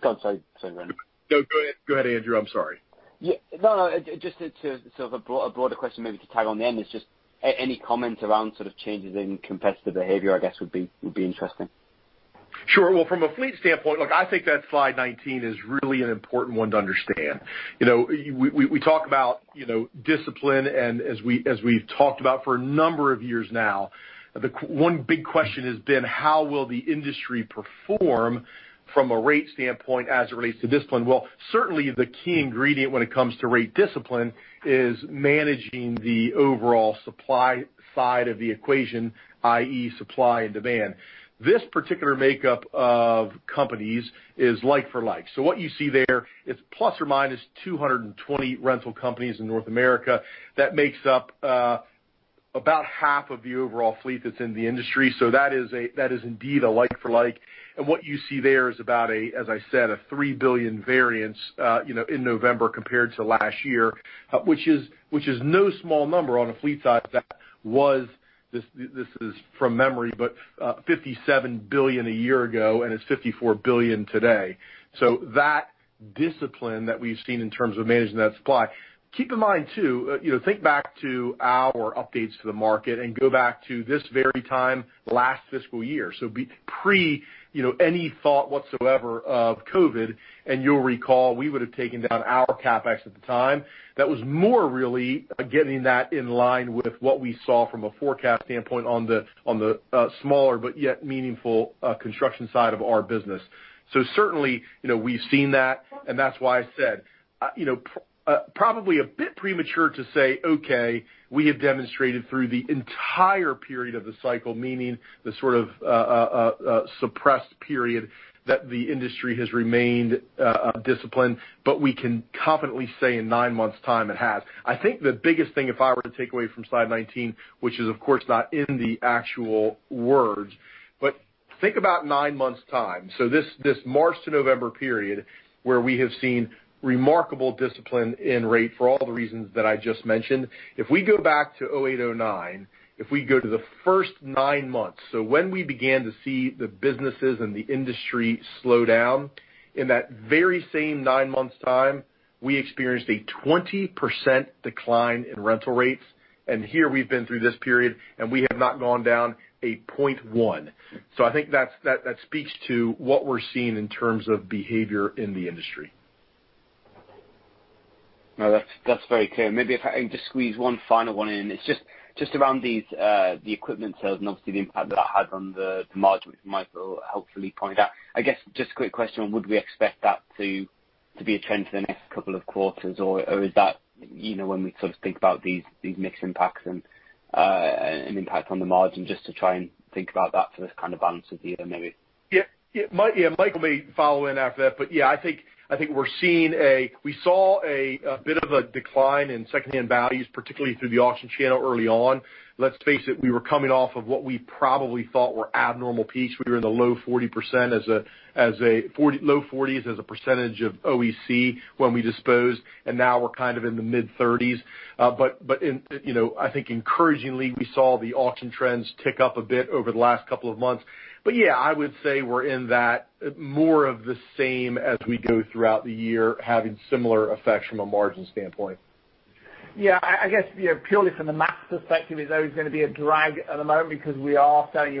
Go on sorry, go on. No, go ahead, Andrew. I'm sorry. Yeah. No, just sort of a broader question maybe to tag on the end is just any comment around sort of changes in competitive behavior, I guess, would be interesting. Sure well, from a fleet standpoint, look, I think that slide 19 is really an important one to understand. We talk about discipline and as we've talked about for a number of years now, the one big question has been how will the industry perform from a rate standpoint as it relates to discipline? well, certainly the key ingredient when it comes to rate discipline is managing the overall supply side of the equation, i.e., supply and demand. This particular makeup of companies is like for like, so what you see there is plus or minus 220 rental companies in North America. That makes up about half of the overall fleet that's in the industry so that is indeed a like for like. What you see there is about a, as I said, a 3 billion variance in November compared to last year. Which is no small number on a fleet size that was, this is from memory, but 57 billion a year ago, and it's 54 billion today. That discipline that we've seen in terms of managing that supply. Keep in mind too, think back to our updates to the market and go back to this very time last fiscal year so we pre- any thought whatsoever of COVID, and you'll recall, we would've taken down our CapEx at the time. That was more really getting that in line with what we saw from a forecast standpoint on the smaller but yet meaningful construction side of our business. Certainly, we've seen that and that's why I said, probably a bit premature to say, okay, we have demonstrated through the entire period of the cycle, meaning the sort of suppressed period that the industry has remained disciplined but, we can confidently say in nine months' time it has. I think the biggest thing if I were to take away from slide 19, which is of course not in the actual words, but think about nine months' time so this March to November period where we have seen remarkable discipline in rate for all the reasons that I just mentioned. If we go back to 2008, 2009, if we go to the first nine months, so when we began to see the businesses and the industry slow down, in that very same nine months' time, we experienced a 20% decline in rental rates. Here we've been through this period and we have not gone down a 0.1. I think that speaks to what we're seeing in terms of behavior in the industry. No, that's very clear maybe if I can just squeeze one final one in. It's just around the equipment sales and obviously the impact that that had on the margin, which Michael helpfully pointed out. I guess just a quick question on would we expect that to be a trend for the next couple of quarters? or is that when we sort of think about these mix impacts and impact on the margin, just to try and think about that for this kind of balance of the year, maybe. Michael may follow in after that i think we saw a bit of a decline in secondhand values, particularly through the auction channel early on. Let's face it, we were coming off of what we probably thought were abnormal peaks we were in the low 40s as a percentage of OEC when we disposed. Now we're kind of in the mid-30s. I think encouragingly, we saw the auction trends tick up a bit over the last couple of months. I would say we're in that more of the same as we go throughout the year, having similar effects from a margin standpoint. Yeah, I guess purely from the CapEx perspective, it's always going to be a drag at the moment because we are selling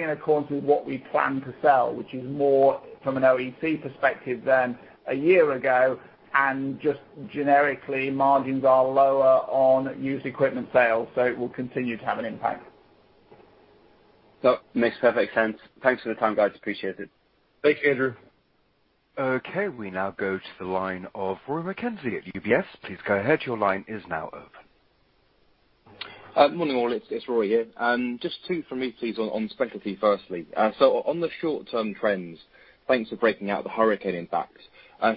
it according to what we plan to sell, which is more from an OEC perspective than a year ago, and just generically, margins are lower on used equipment sales, so it will continue to have an impact. Makes perfect sense. Thanks for the time, guys appreciate it. Thanks, Andrew. Okay, we now go to the line of Rory McKenzie at UBS. Please go ahead. Your line is now open. Morning all it's Rory here. Just two from me please, on specialty firstly so on the short-term trends, thanks for breaking out the hurricane impact.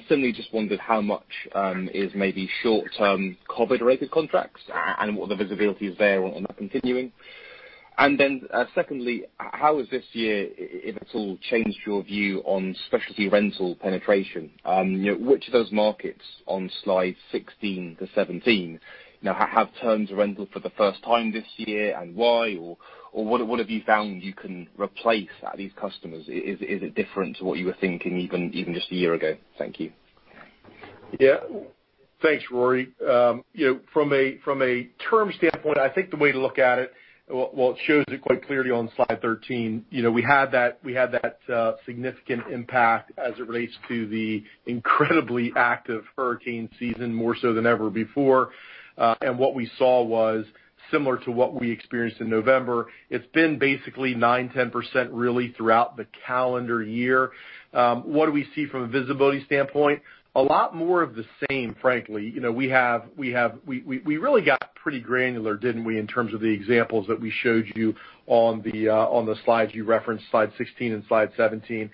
Simply just wondered how much is maybe short-term COVID-related contracts and what the visibility is there on that continuing? Secondly, how has this year, if at all, changed your view on specialty rental penetration? Which of those markets on slide 16 to 17 now have turned to rental for the first time this year and why? or what have you found you can replace at these customers? Is it different to what you were thinking even just a year ago? Thank you. Thanks, Rory. From a term standpoint, I think the way to look at it, while it shows it quite clearly on slide 13, we had that significant impact as it relates to the incredibly active hurricane season, more so than ever before. What we saw was similar to what we experienced in November. It's been basically 9%, 10% really throughout the calendar year. What do we see from a visibility standpoint? A lot more of the same, frankly we really got pretty granular, didn't we, in terms of the examples that we showed you on the slides you referenced, slide 16 and slide 17.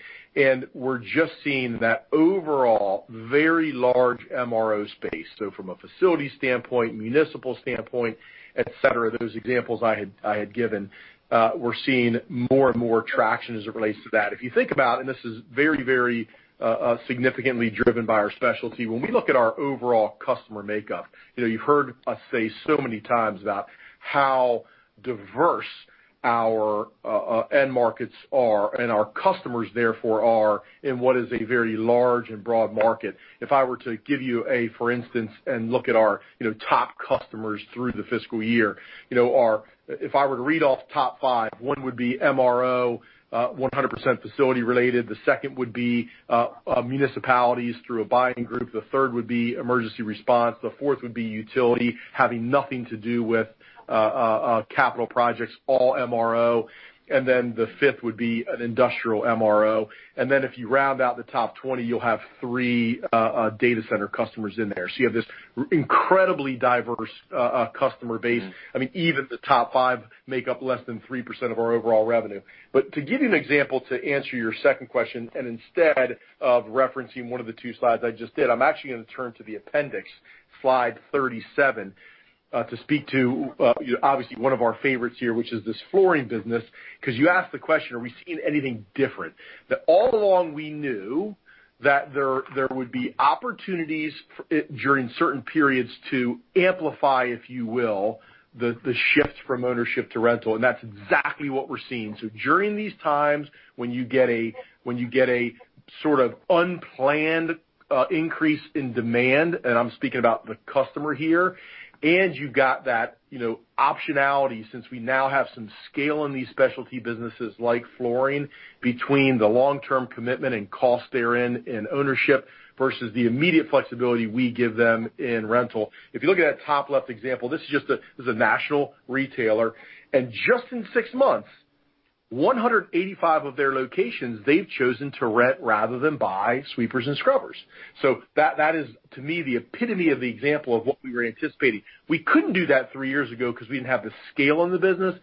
We're just seeing that overall very large MRO space from a facility standpoint, municipal standpoint, et cetera, those examples I had given, we're seeing more and more traction as it relates to that if you think about it, and this is very significantly driven by our specialty, when we look at our overall customer makeup, you've heard us say so many times about how diverse our end markets are and our customers therefore are in what is a very large and broad market. If I were to give you a for instance, and look at our top customers through the fiscal year, if I were to read off the top five, one would be MRO, 100% facility related the second would be municipalities through a buying group the third would be emergency response, the fourth would be utility, having nothing to do with capital projects, all MRO. The fifth would be an industrial MRO. And then if you round out the top 20, you'll have three data center customers in there. You have this incredibly diverse customer base and even the top five make up less than 3% of our overall revenue. To give you an example to answer your second question, and instead of referencing one of the two slides I just did, I'm actually going to turn to the appendix, slide 37, to speak to obviously one of our favorites here, which is this Flooring Business, because you asked the question, are we seeing anything different? That all along we knew that there would be opportunities during certain periods to amplify, if you will, the shift from ownership to rental, and that's exactly what we're seeing so during these times when you get a sort of unplanned increase in demand, and I'm speaking about the customer here, and you've got that optionality since we now have some scale in these specialty businesses like flooring between the long-term commitment and cost therein in ownership versus the immediate flexibility we give them in rental. If you look at that top left example, this is a national retailer, and just in six months, 185 of their locations they've chosen to rent rather than buy sweepers and scrubbers. That is, to me, the epitome of the example of what we were anticipating. We couldn't do that three years ago because we didn't have the scale in the business.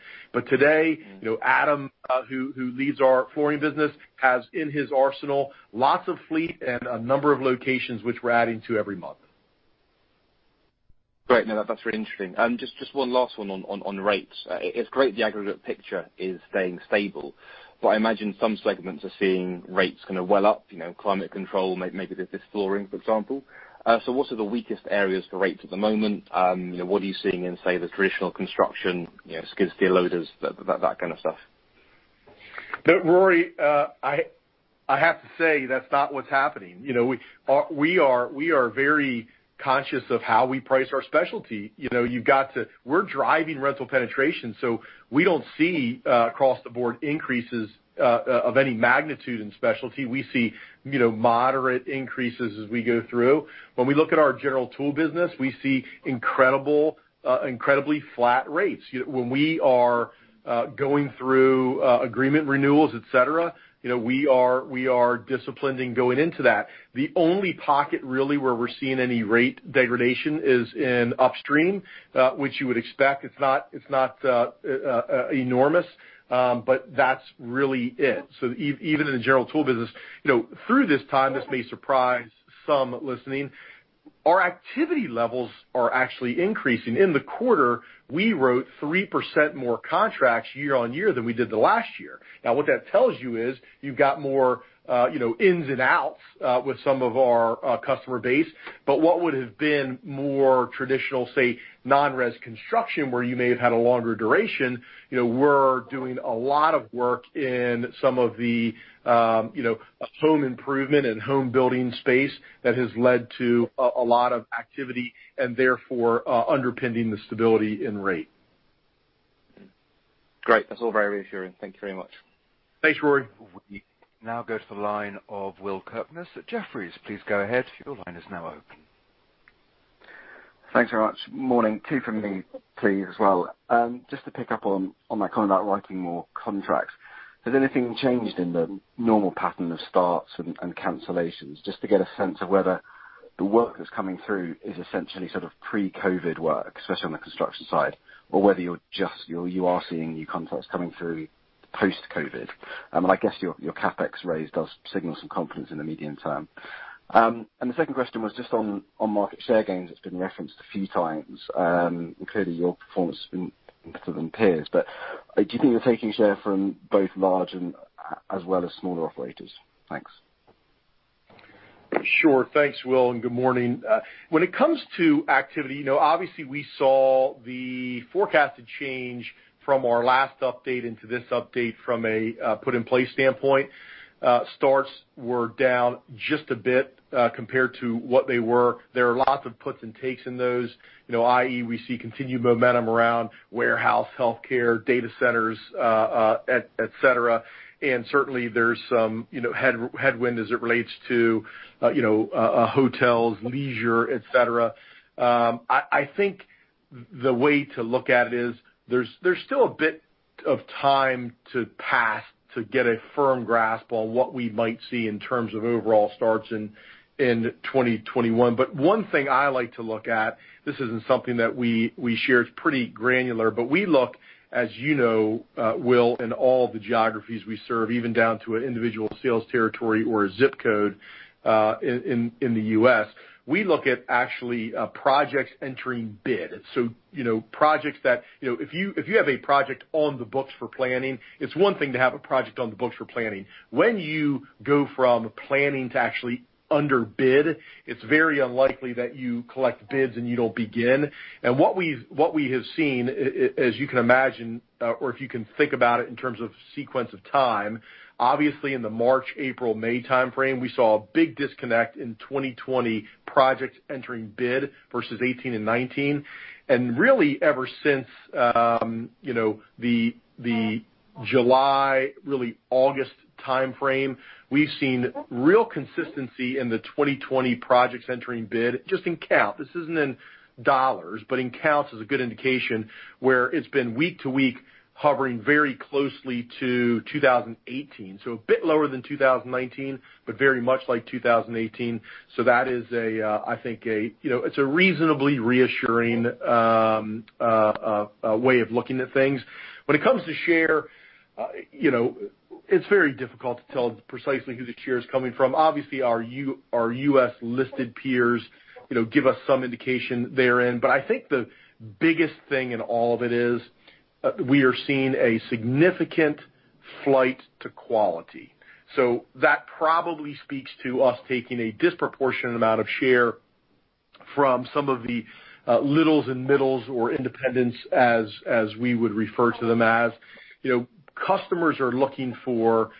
Today, Adam, who leads our flooring business, has in his arsenal lots of fleet and a number of locations which we're adding to every month. Great that's really interesting just one last one on rates. It's great the aggregate picture is staying stable. I imagine some segments are seeing rates kind of well up, climate control, maybe there's this flooring for example. What are the weakest areas for rates at the moment? What are you seeing in, say, the traditional construction, skid steer loaders, that kind of stuff? No, Rory, I have to say that's not what's happening. We are very conscious of how we price our specialty. We're driving rental penetration so, we don't see across the board increases of any magnitude in specialty we see moderate increases as we go through. When we look at our general tool business, we see incredibly flat rates when we are going through agreement renewals, et cetera, we are disciplining going into that. The only pocket really where we're seeing any rate degradation is in upstream, which you would expect it's not enormous. That's really it, even in the general tool business, through this time, this may surprise some listening, our activity levels are actually increasing in the quarter, we wrote 3% more contracts year-on-year than we did the last year. What that tells you is you've got more ins and outs with some of our customer base. What would have been more traditional, say, non-res construction, where you may have had a longer duration, we're doing a lot of work in some of the home improvement and home building space that has led to a lot of activity and therefore underpinning the stability in rate. Great that's all very reassuring. Thank you very much. Thanks, Rory. We now go to the line of Will Kirkness at Jefferies. Please go ahead. Your line is now open. Thanks very much, morning two from me, please, as well. Just to pick up on my comment about writing more contracts, has anything changed in the normal pattern of starts and cancellations? Just to get a sense of whether the work that's coming through is essentially pre-COVID work, especially on the construction side, or whether you are seeing new contracts coming through post-COVID. I guess your CapEx raise does signal some confidence in the medium term. The second question was just on market share gains it's been referenced a few times. Clearly, your performance has been better than peers, do you think you're taking share from both large and as well as smaller operators? Thanks. Sure thanks, Will, and good morning. When it comes to activity, obviously we saw the forecasted change from our last update into this update from a put in place standpoint. Starts were down just a bit, compared to what they were, there are lots of puts and takes in those. i.e., we see continued momentum around warehouse, healthcare, data centers, et cetera. And certainly, there's some headwind as it relates to hotels, leisure, et cetera. I think the way to look at it is there's still a bit of time to pass to get a firm grasp on what we might see in terms of overall starts in 2021 but one thing I like to look at, this isn't something that we share, it's pretty granular, but we look, as you know, Will, in all the geographies we serve, even down to an individual sales territory or zip code, in the U.S. We look at actually projects entering bid. If you have a project on the books for planning, it's one thing to have a project on the books for planning, when you go from planning to actually under bid, it's very unlikely that you collect bids and you don't begin. What we have seen, as you can imagine, or if you can think about it in terms of sequence of time, obviously in the March, April, May timeframe, we saw a big disconnect in 2020 projects entering bid versus 2018 and 2019. Really ever since the July, really August timeframe, we've seen real consistency in the 2020 projects entering bid just in count this isn't in dollars, but in counts is a good indication where it's been week to week hovering very closely to 2018 so a bit lower than 2019, but very much like 2018. That is, I think it's a reasonably reassuring way of looking at things. When it comes to share, it's very difficult to tell precisely who the share is coming from obviously, our U.S. listed peers give us some indication therein i think the biggest thing in all of it is we are seeing a significant flight to quality. That probably speaks to us taking a disproportionate amount of share from some of the littles and middles or independents as we would refer to them as. Customers are looking for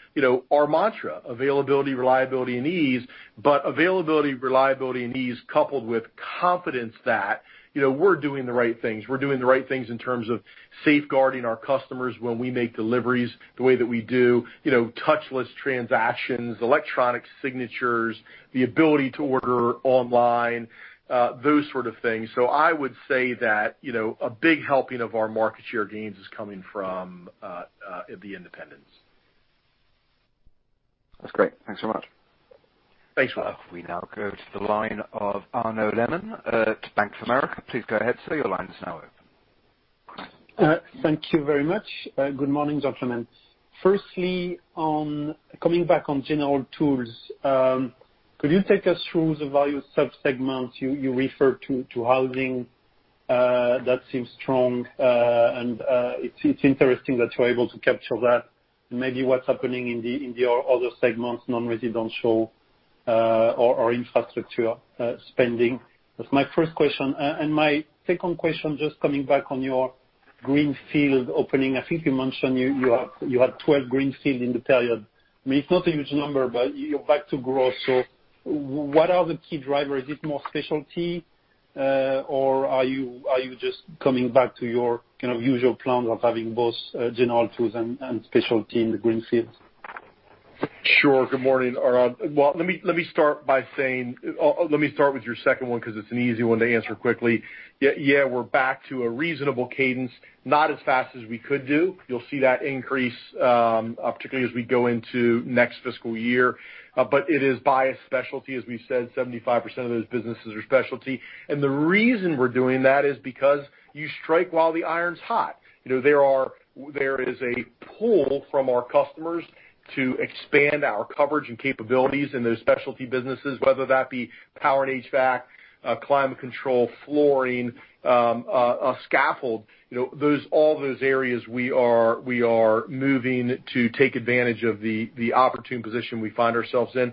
our mantra, availability, reliability, and ease. Availability, reliability, and ease coupled with confidence that we're doing the right things we're doing the right things in terms of safeguarding our customers when we make deliveries the way that we do. You know touchless transactions, electronic signatures, the ability to order online, those sort of things so i would say that a big helping of our market share gains is coming from the independents. That's great. Thanks so much. Thanks, Will. We now go to the line of Arnaud Lemoine at Bank of America. Please go ahead, sir, your line is now open. Thank you very much. Good morning, gentlemen. Coming back on general tools, could you take us through the value sub-segments? You referred to housing. That seems strong. It's interesting that you are able to capture that and maybe what's happening in your other segments, non-residential or infrastructure spending. That's my first question and my second question, just coming back on your greenfield opening i think you mentioned you had 12 greenfield in the period. I mean, it's not a huge number, but you're back to growth so, what are the key drivers? Is it more specialty? or are you just coming back to your kind of usual plans of having both general tools and specialty in the greenfields? Good morning, Arnaud. Let me start with your second one because it's an easy one to answer quickly. Yeah, we're back to a reasonable cadence, not as fast as we could do. You'll see that increase, particularly as we go into next fiscal year. It is biased specialty as we said, 75% of those businesses are specialty. The reason we're doing that is because you strike while the iron's hot. There is a pull from our customers to expand our coverage and capabilities in those specialty businesses, whether that be power and HVAC, climate control, flooring, scaffold. All those areas we are moving to take advantage of the opportune position we find ourselves in.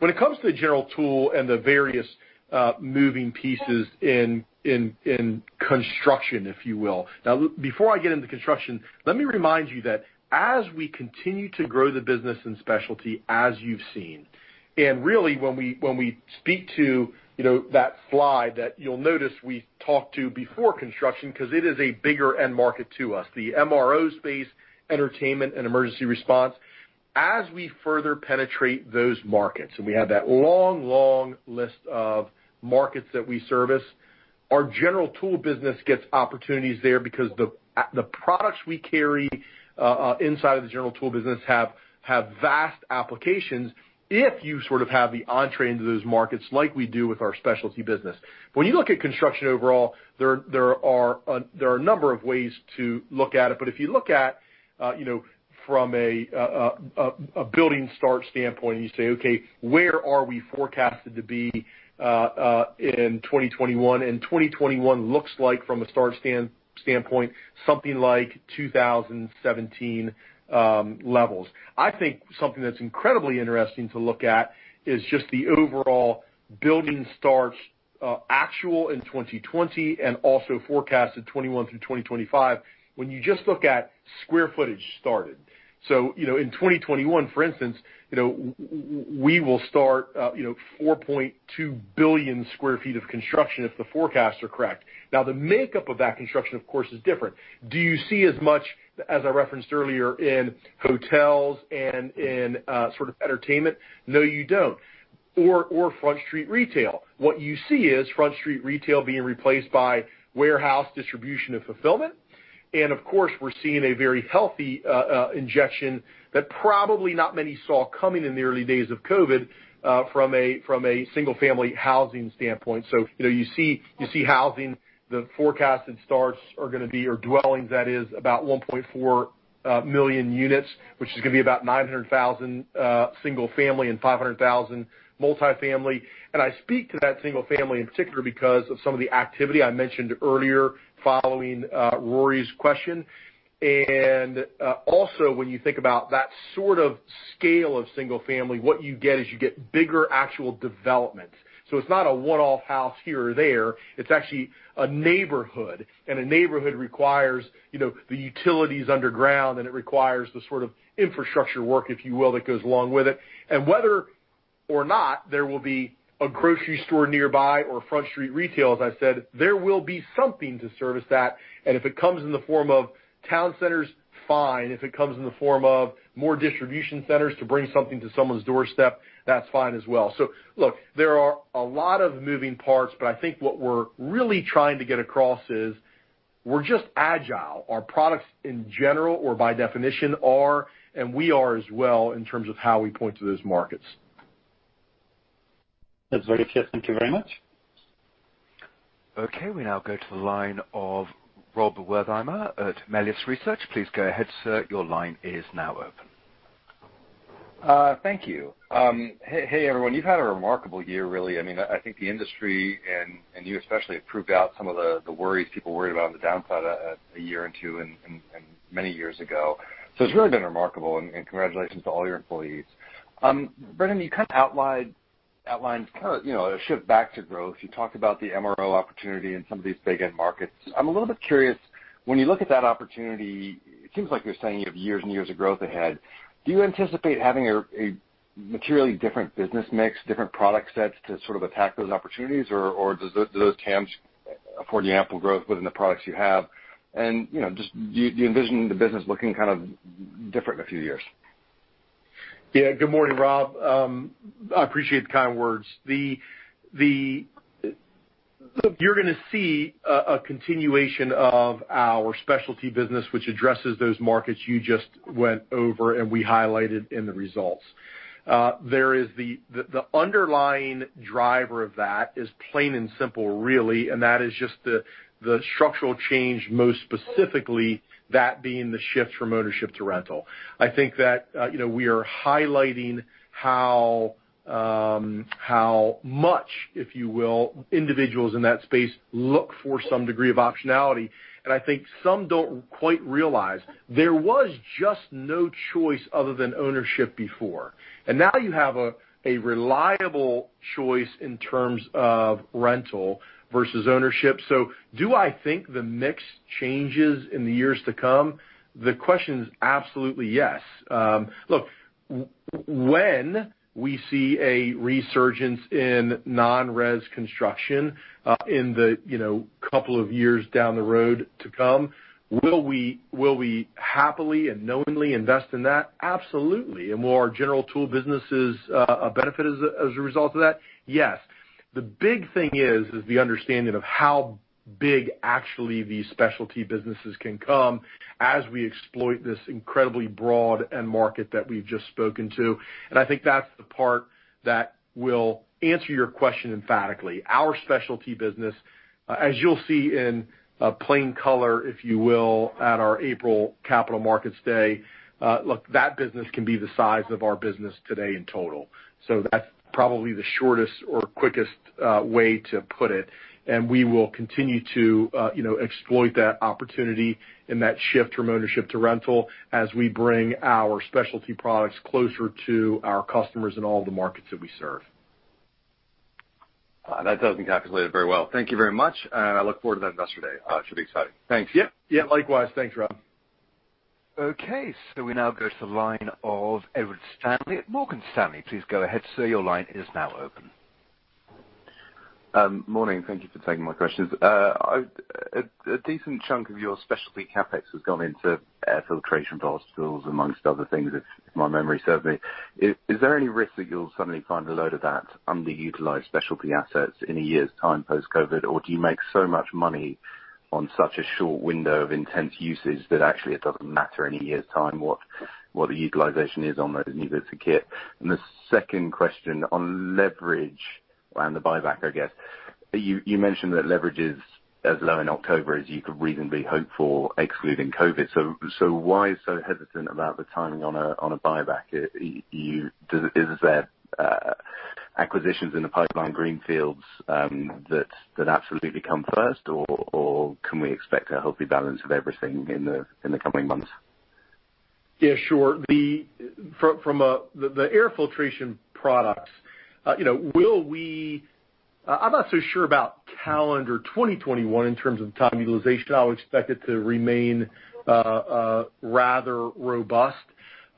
When it comes to the general tool and the various moving pieces in construction, if you will and before I get into construction, let me remind you that as we continue to grow the business in specialty, as you've seen, and really when we speak to that slide that you'll notice we talked to before construction, because it is a bigger end market to us, the MRO space, entertainment, and emergency response. As we further penetrate those markets, and we have that long list of markets that we service, our general tool business gets opportunities there because the products we carry inside of the general tool business have vast applications if you sort of have the entree into those markets like we do with our specialty business. When you look at construction overall, there are a number of ways to look at it, but if you look at it from a building start standpoint, and you say, okay, where are we forecasted to be- -in 2021? 2021 looks like, from a start standpoint, something like 2017 levels. I think something that's incredibly interesting to look at is just the overall building starts actual in 2020 and also forecasted 2021 through 2025. When you just look at square footage started. In 2021, for instance, we will start 4.2 billion sq ft of construction if the forecasts are correct. The makeup of that construction, of course, is different. Do you see as much, as I referenced earlier, in hotels and in sort of entertainment? No, you don't. Front Street retail. What you see is Front Street retail being replaced by warehouse distribution and fulfillment. And of course, we're seeing a very healthy injection that probably not many saw coming in the early days of COVID-19 from a single-family housing standpoint so you see housing, the forecasted starts are going to be, or dwellings that is, about 1.4 million units, which is going to be about 900,000 single family and 500,000 multifamily. I speak to that single family in particular because of some of the activity I mentioned earlier following Rory's question. Also when you think about that sort of scale of single family, what you get is you get bigger actual developments. It's not a one-off house here or there. It's actually a neighborhood. A neighborhood requires the utilities underground, and it requires the sort of infrastructure work, if you will, that goes along with it. Whether or not there will be a grocery store nearby or Front Street retail, as I said, there will be something to service that. If it comes in the form of town centers, fine if it comes in the form of more distribution centers to bring something to someone's doorstep, that's fine as well so, look, there are a lot of moving parts, but I think what we're really trying to get across is we're just agile, our products in general or by definition are, and we are as well in terms of how we point to those markets. That's very clear thank you very much. Okay, we now go to the line of Rob Wertheimer at Melius Research. Please go ahead, sir. Your line is now open. Thank you. Hey, everyone you've had a remarkable year, really i think the industry and you especially have proved out some of the worries people worried about on the downside a year or two and many years ago. It's really been remarkable, and congratulations to all your employees. Brendan, you kind of outlined a shift back to growth you talked about the MRO opportunity in some of these big end markets. I'm a little bit curious, when you look at that opportunity, it seems like you're saying you have years and years of growth ahead. Do you anticipate having a materially different business mix, different product sets to sort of attack those opportunities? or do those TAMs afford you ample growth within the products you have? Just, do you envision the business looking kind of different in a few years? Yeah good morning, Rob. I appreciate the kind words. Look, you're going to see a continuation of our specialty business, which addresses those markets you just went over, and we highlighted in the results. The underlying driver of that is plain and simple, really, and that is just the structural change, most specifically that being the shift from ownership to rental. I think that we are highlighting how much, if you will, individuals in that space look for some degree of optionality, and I think some don't quite realize there was just no choice other than ownership before. Now you have a reliable choice in terms of rental versus ownership so, do I think the mix changes in the years to come? The question is absolutely yes. Look, when we see a resurgence in non-res construction in the couple of years down the road to come, will we happily and knowingly invest in that? absolutely will our general tool businesses benefit as a result of that? Yes. The big thing is the understanding of how big actually these specialty businesses can come as we exploit this incredibly broad end market that we've just spoken to. I think that's the part that will answer your question emphatically, our specialty business, as you'll see in plain color, if you will, at our April Capital Markets Day. Look, that business can be the size of our business today in total. That's probably the shortest or quickest way to put it, we will continue to exploit that opportunity and that shift from ownership to rental as we bring our specialty products closer to our customers in all the markets that we serve. That does encapsulate it very well thank you very much, and I look forward to that Investor Day. Should be exciting. Thanks. Yep. Likewise thanks, Rob. We now go to the line of Ed Stanley at Morgan Stanley. Please go ahead, sir. Your line is now open. Morning. Thank you for taking my questions. A decent chunk of your specialty CapEx has gone into air filtration for hospitals, amongst other things, if my memory serves me. Is there any risk that you'll suddenly find a load of that underutilized specialty assets in a year's time post-COVID? or do you make so much money on such a short window of intense usage that actually it doesn't matter in a year's time what the utilization is on those pieces of kit? The second question on leverage and the buyback, I guess. You mentioned that leverage is as low in October as you could reasonably hope for, excluding COVID so why so hesitant about the timing on a buyback? Is that acquisitions in the pipeline greenfields that absolutely come first? or can we expect a healthy balance of everything in the coming months? Yeah, sure. From the air filtration products, I'm not so sure about calendar 2021 in terms of time utilization i would expect it to remain rather robust.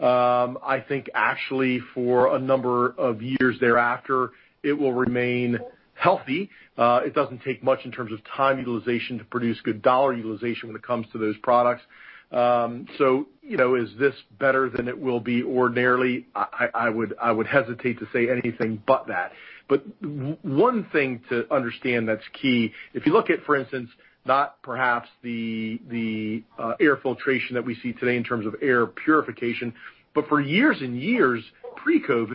I think actually for a number of years thereafter, it will remain healthy. It doesn't take much in terms of time utilization to produce good dollar utilization when it comes to those products. Is this better than it will be ordinarily? I would hesitate to say anything but that. But one thing to understand that's key, if you look at, for instance, not perhaps the air filtration that we see today in terms of air purification, for years and years, pre-COVID,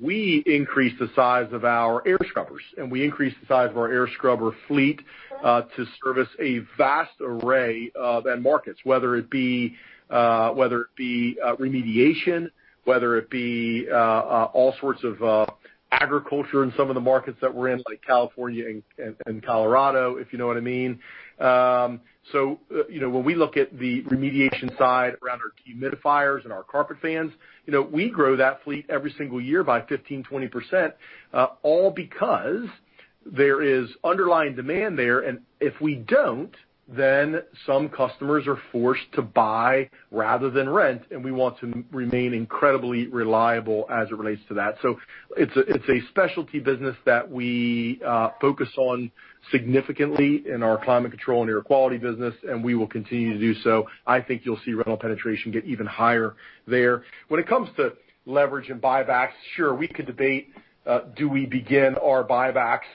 we increased the size of our air scrubbers, and we increased the size of our air scrubber fleet to service a vast array of end markets whether it be remediation, whether it be all sorts of agriculture in some of the markets that we're in, like California and Colorado, if you know what I mean. When we look at the remediation side around our humidifiers and our carpet fans, we grow that fleet every single year by 15%-20%, all because there is underlying demand there if we don't, then some customers are forced to buy rather than rent, and we want to remain incredibly reliable as it relates to that. It's a specialty business that we focus on significantly in our climate control and air quality business, and we will continue to do so. I think you'll see rental penetration get even higher there. When it comes to leverage and buybacks, sure, we could debate, do we begin our buybacks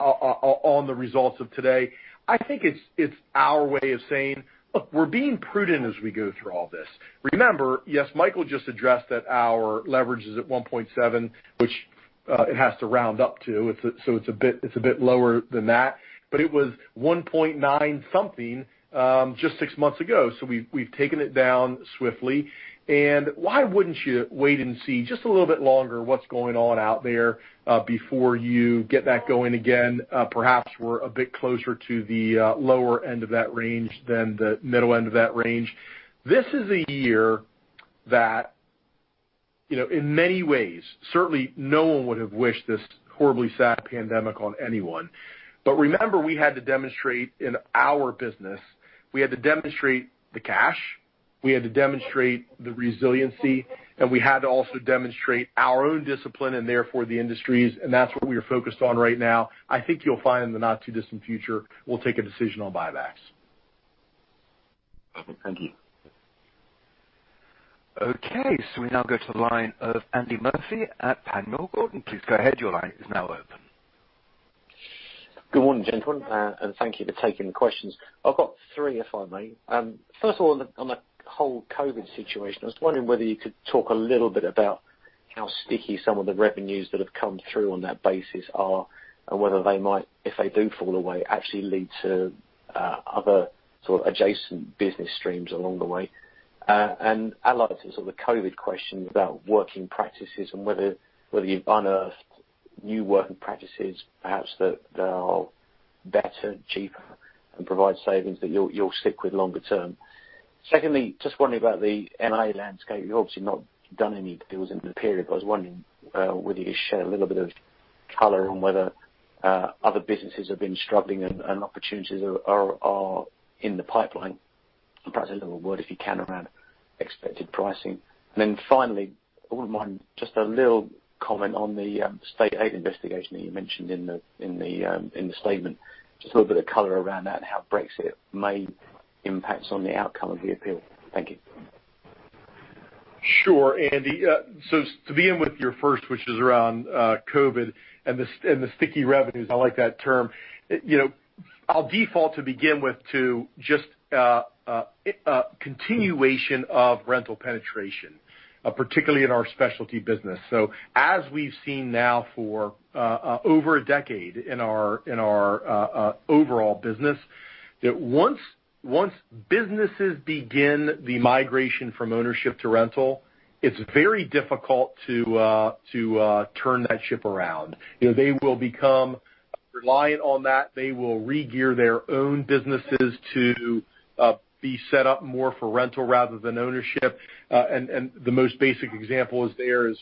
on the results of today? I think it's our way of saying, "Look, we're being prudent as we go through all this." Remember, yes, Michael just addressed that our leverage is at 1.7, which it has to round up to, so it's a bit lower than that, but it was 1.9 something just six months ago so we've taken it down swiftly. Why wouldn't you wait and see just a little bit longer what's going on out there? before you get that going again, perhaps we're a bit closer to the lower end of that range than the middle end of that range. This is a year that, in many ways, certainly no one would have wished this horribly sad pandemic on anyone. Remember, we had to demonstrate in our business, we had to demonstrate the cash, we had to demonstrate the resiliency, and we had to also demonstrate our own discipline and therefore the industry's, and that's what we are focused on right now. I think you'll find in the not-too-distant future, we'll take a decision on buybacks. Thank you. Okay, we now go to the line of Andy Murphy at Panmure Gordon. Please go ahead, your line is now open. Good morning, gentlemen thank you for taking the questions. I've got three, if I may. First of all, on the whole COVID situation, I was wondering whether you could talk a little bit about how sticky some of the revenues that have come through on that basis are? whether they might, if they do fall away, actually lead to other sort of adjacent business streams along the way. Allied to the sort of COVID question about working practices and whether you've unearthed new working practices, perhaps that are better, cheaper, and provide savings that you'll stick with longer term. Secondly, just wondering about the M&A landscape you've obviously not done any deals in the period, but I was wondering whether you could share a little bit of color on whether other businesses have been struggling and opportunities are in the pipeline. Perhaps a little word, if you can, around expected pricing. Finally, I wouldn't mind just a little comment on the State Aid investigation that you mentioned in the statement. Just a little bit of color around that and how Brexit may impact on the outcome of the appeal. Thank you. Sure, Andy. To begin with your first, which is around COVID and the sticky revenues i like that term. I'll default to begin with to just continuation of rental penetration, particularly in our specialty business. As we've seen now for over a decade in our overall business, that once businesses begin the migration from ownership to rental, it's very difficult to turn that ship around. Relying on that, they will re-gear their own businesses to be set up more for rental rather than ownership. The most basic example there is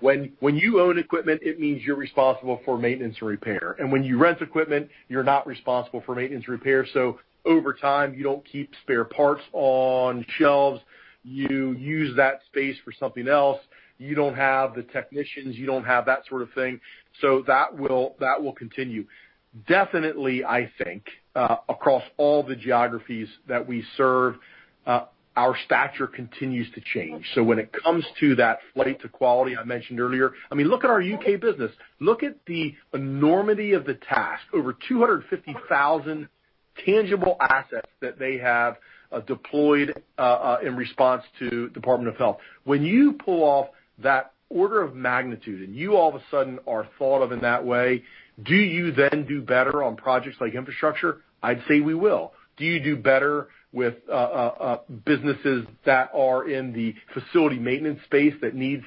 when you own equipment, it means you're responsible for maintenance and repair, when you rent equipment, you're not responsible for maintenance and repair so, overtime, you don't keep spare parts on shelves. You use that space for something else. You don't have the technicians, you don't have that sort of thing. That will continue. Definitely, I think, across all the geographies that we serve, our stature continues to change so when it comes to that flight equality I mentioned earlier, look at our U.K. business. Look at the enormity of the task. Over 250,000 tangible assets that they have deployed in response to Department of Health. When you pull off that order of magnitude and you all of a sudden are thought of in that way, do you then do better on projects like infrastructure? I'd say we will. Do you do better with businesses that are in the facility maintenance space that need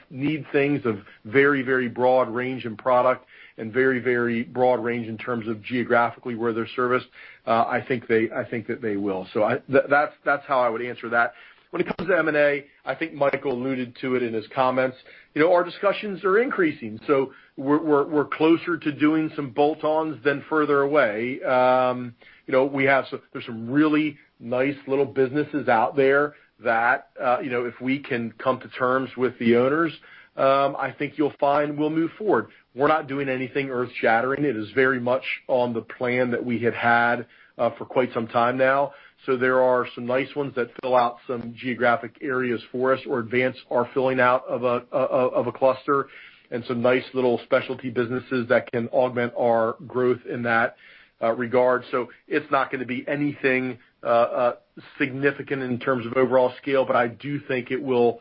things of very broad range in product and very broad range in terms of geographically where they're serviced? I think that they will so, that's how I would answer that. When it comes to M&A, I think Michael alluded to it in his comments. Our discussions are increasing, so we're closer to doing some bolt-ons than further away. There's some really nice little businesses out there that, if we can come to terms with the owners, I think you'll find we'll move forward. We're not doing anything earth-shattering it is very much on the plan that we have had for quite some time now. There are some nice ones that fill out some geographic areas for us or advance our filling out of a cluster and some nice little specialty businesses that can augment our growth in that regard. It's not going to be anything significant in terms of overall scale, but I do think it will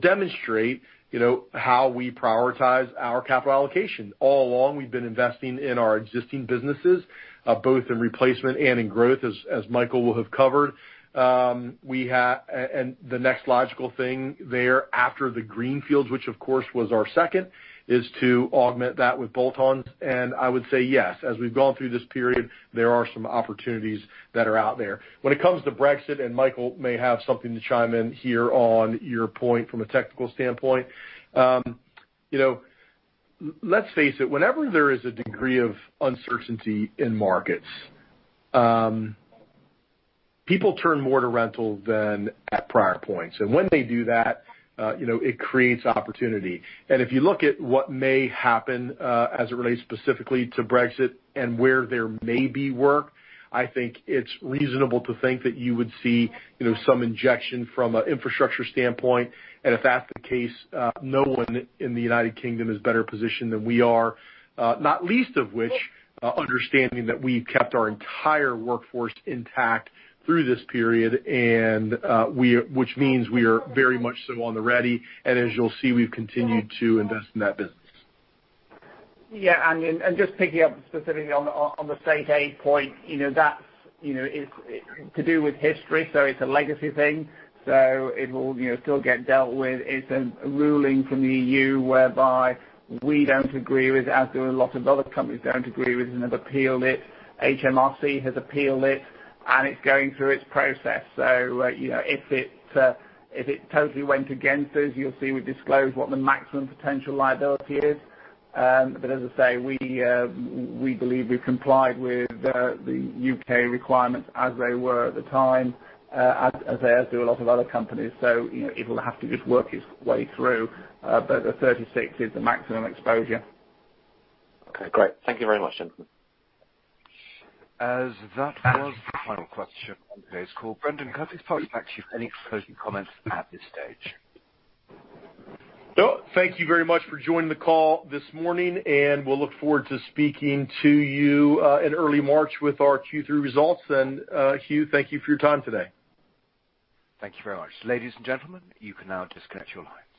demonstrate how we prioritize our capital allocation. All along, we've been investing in our existing businesses, both in replacement and in growth, as Michael will have covered. The next logical thing there after the greenfields, which of course was our second, is to augment that with bolt-ons. I would say yes, as we've gone through this period, there are some opportunities that are out there. When it comes to Brexit, and Michael may have something to chime in here on your point from a technical standpoint. Let's face it, whenever there is a degree of uncertainty in markets. People turn more to rental than at prior points when they do that it creates opportunity. If you look at what may happen as it relates specifically to Brexit and where there may be work, I think it's reasonable to think that you would see some injection from an infrastructure standpoint. If that's the case, no one in the U.K. is better positioned than we are, not least of which understanding that we've kept our entire workforce intact through this period, which means we are very much so on the ready. As you'll see, we've continued to invest in that business. Yeah, just picking up specifically on the State Aid point, that is to do with history, it's a legacy thing. It will still get dealt with it's a ruling from the EU whereby we don't agree with, as do a lot of other companies don't agree with and have appealed it. HMRC has appealed it's going through its process. If it totally went against us, you'll see we disclose what the maximum potential liability is. As I say, we believe we've complied with the U.K. requirements as they were at the time, as do a lot of other companies. It'll have to just work its way through. The 36 is the maximum exposure. Okay, great. Thank you very much, gentlemen. As that was the final question on today's call, Brendan, could I just toss it back to you for any closing comments at this stage? No. Thank you very much for joining the call this morning, and we'll look forward to speaking to you in early March with our Q3 results. Hugh, thank you for your time today. Thank you very much. Ladies and gentlemen, you can now disconnect your lines.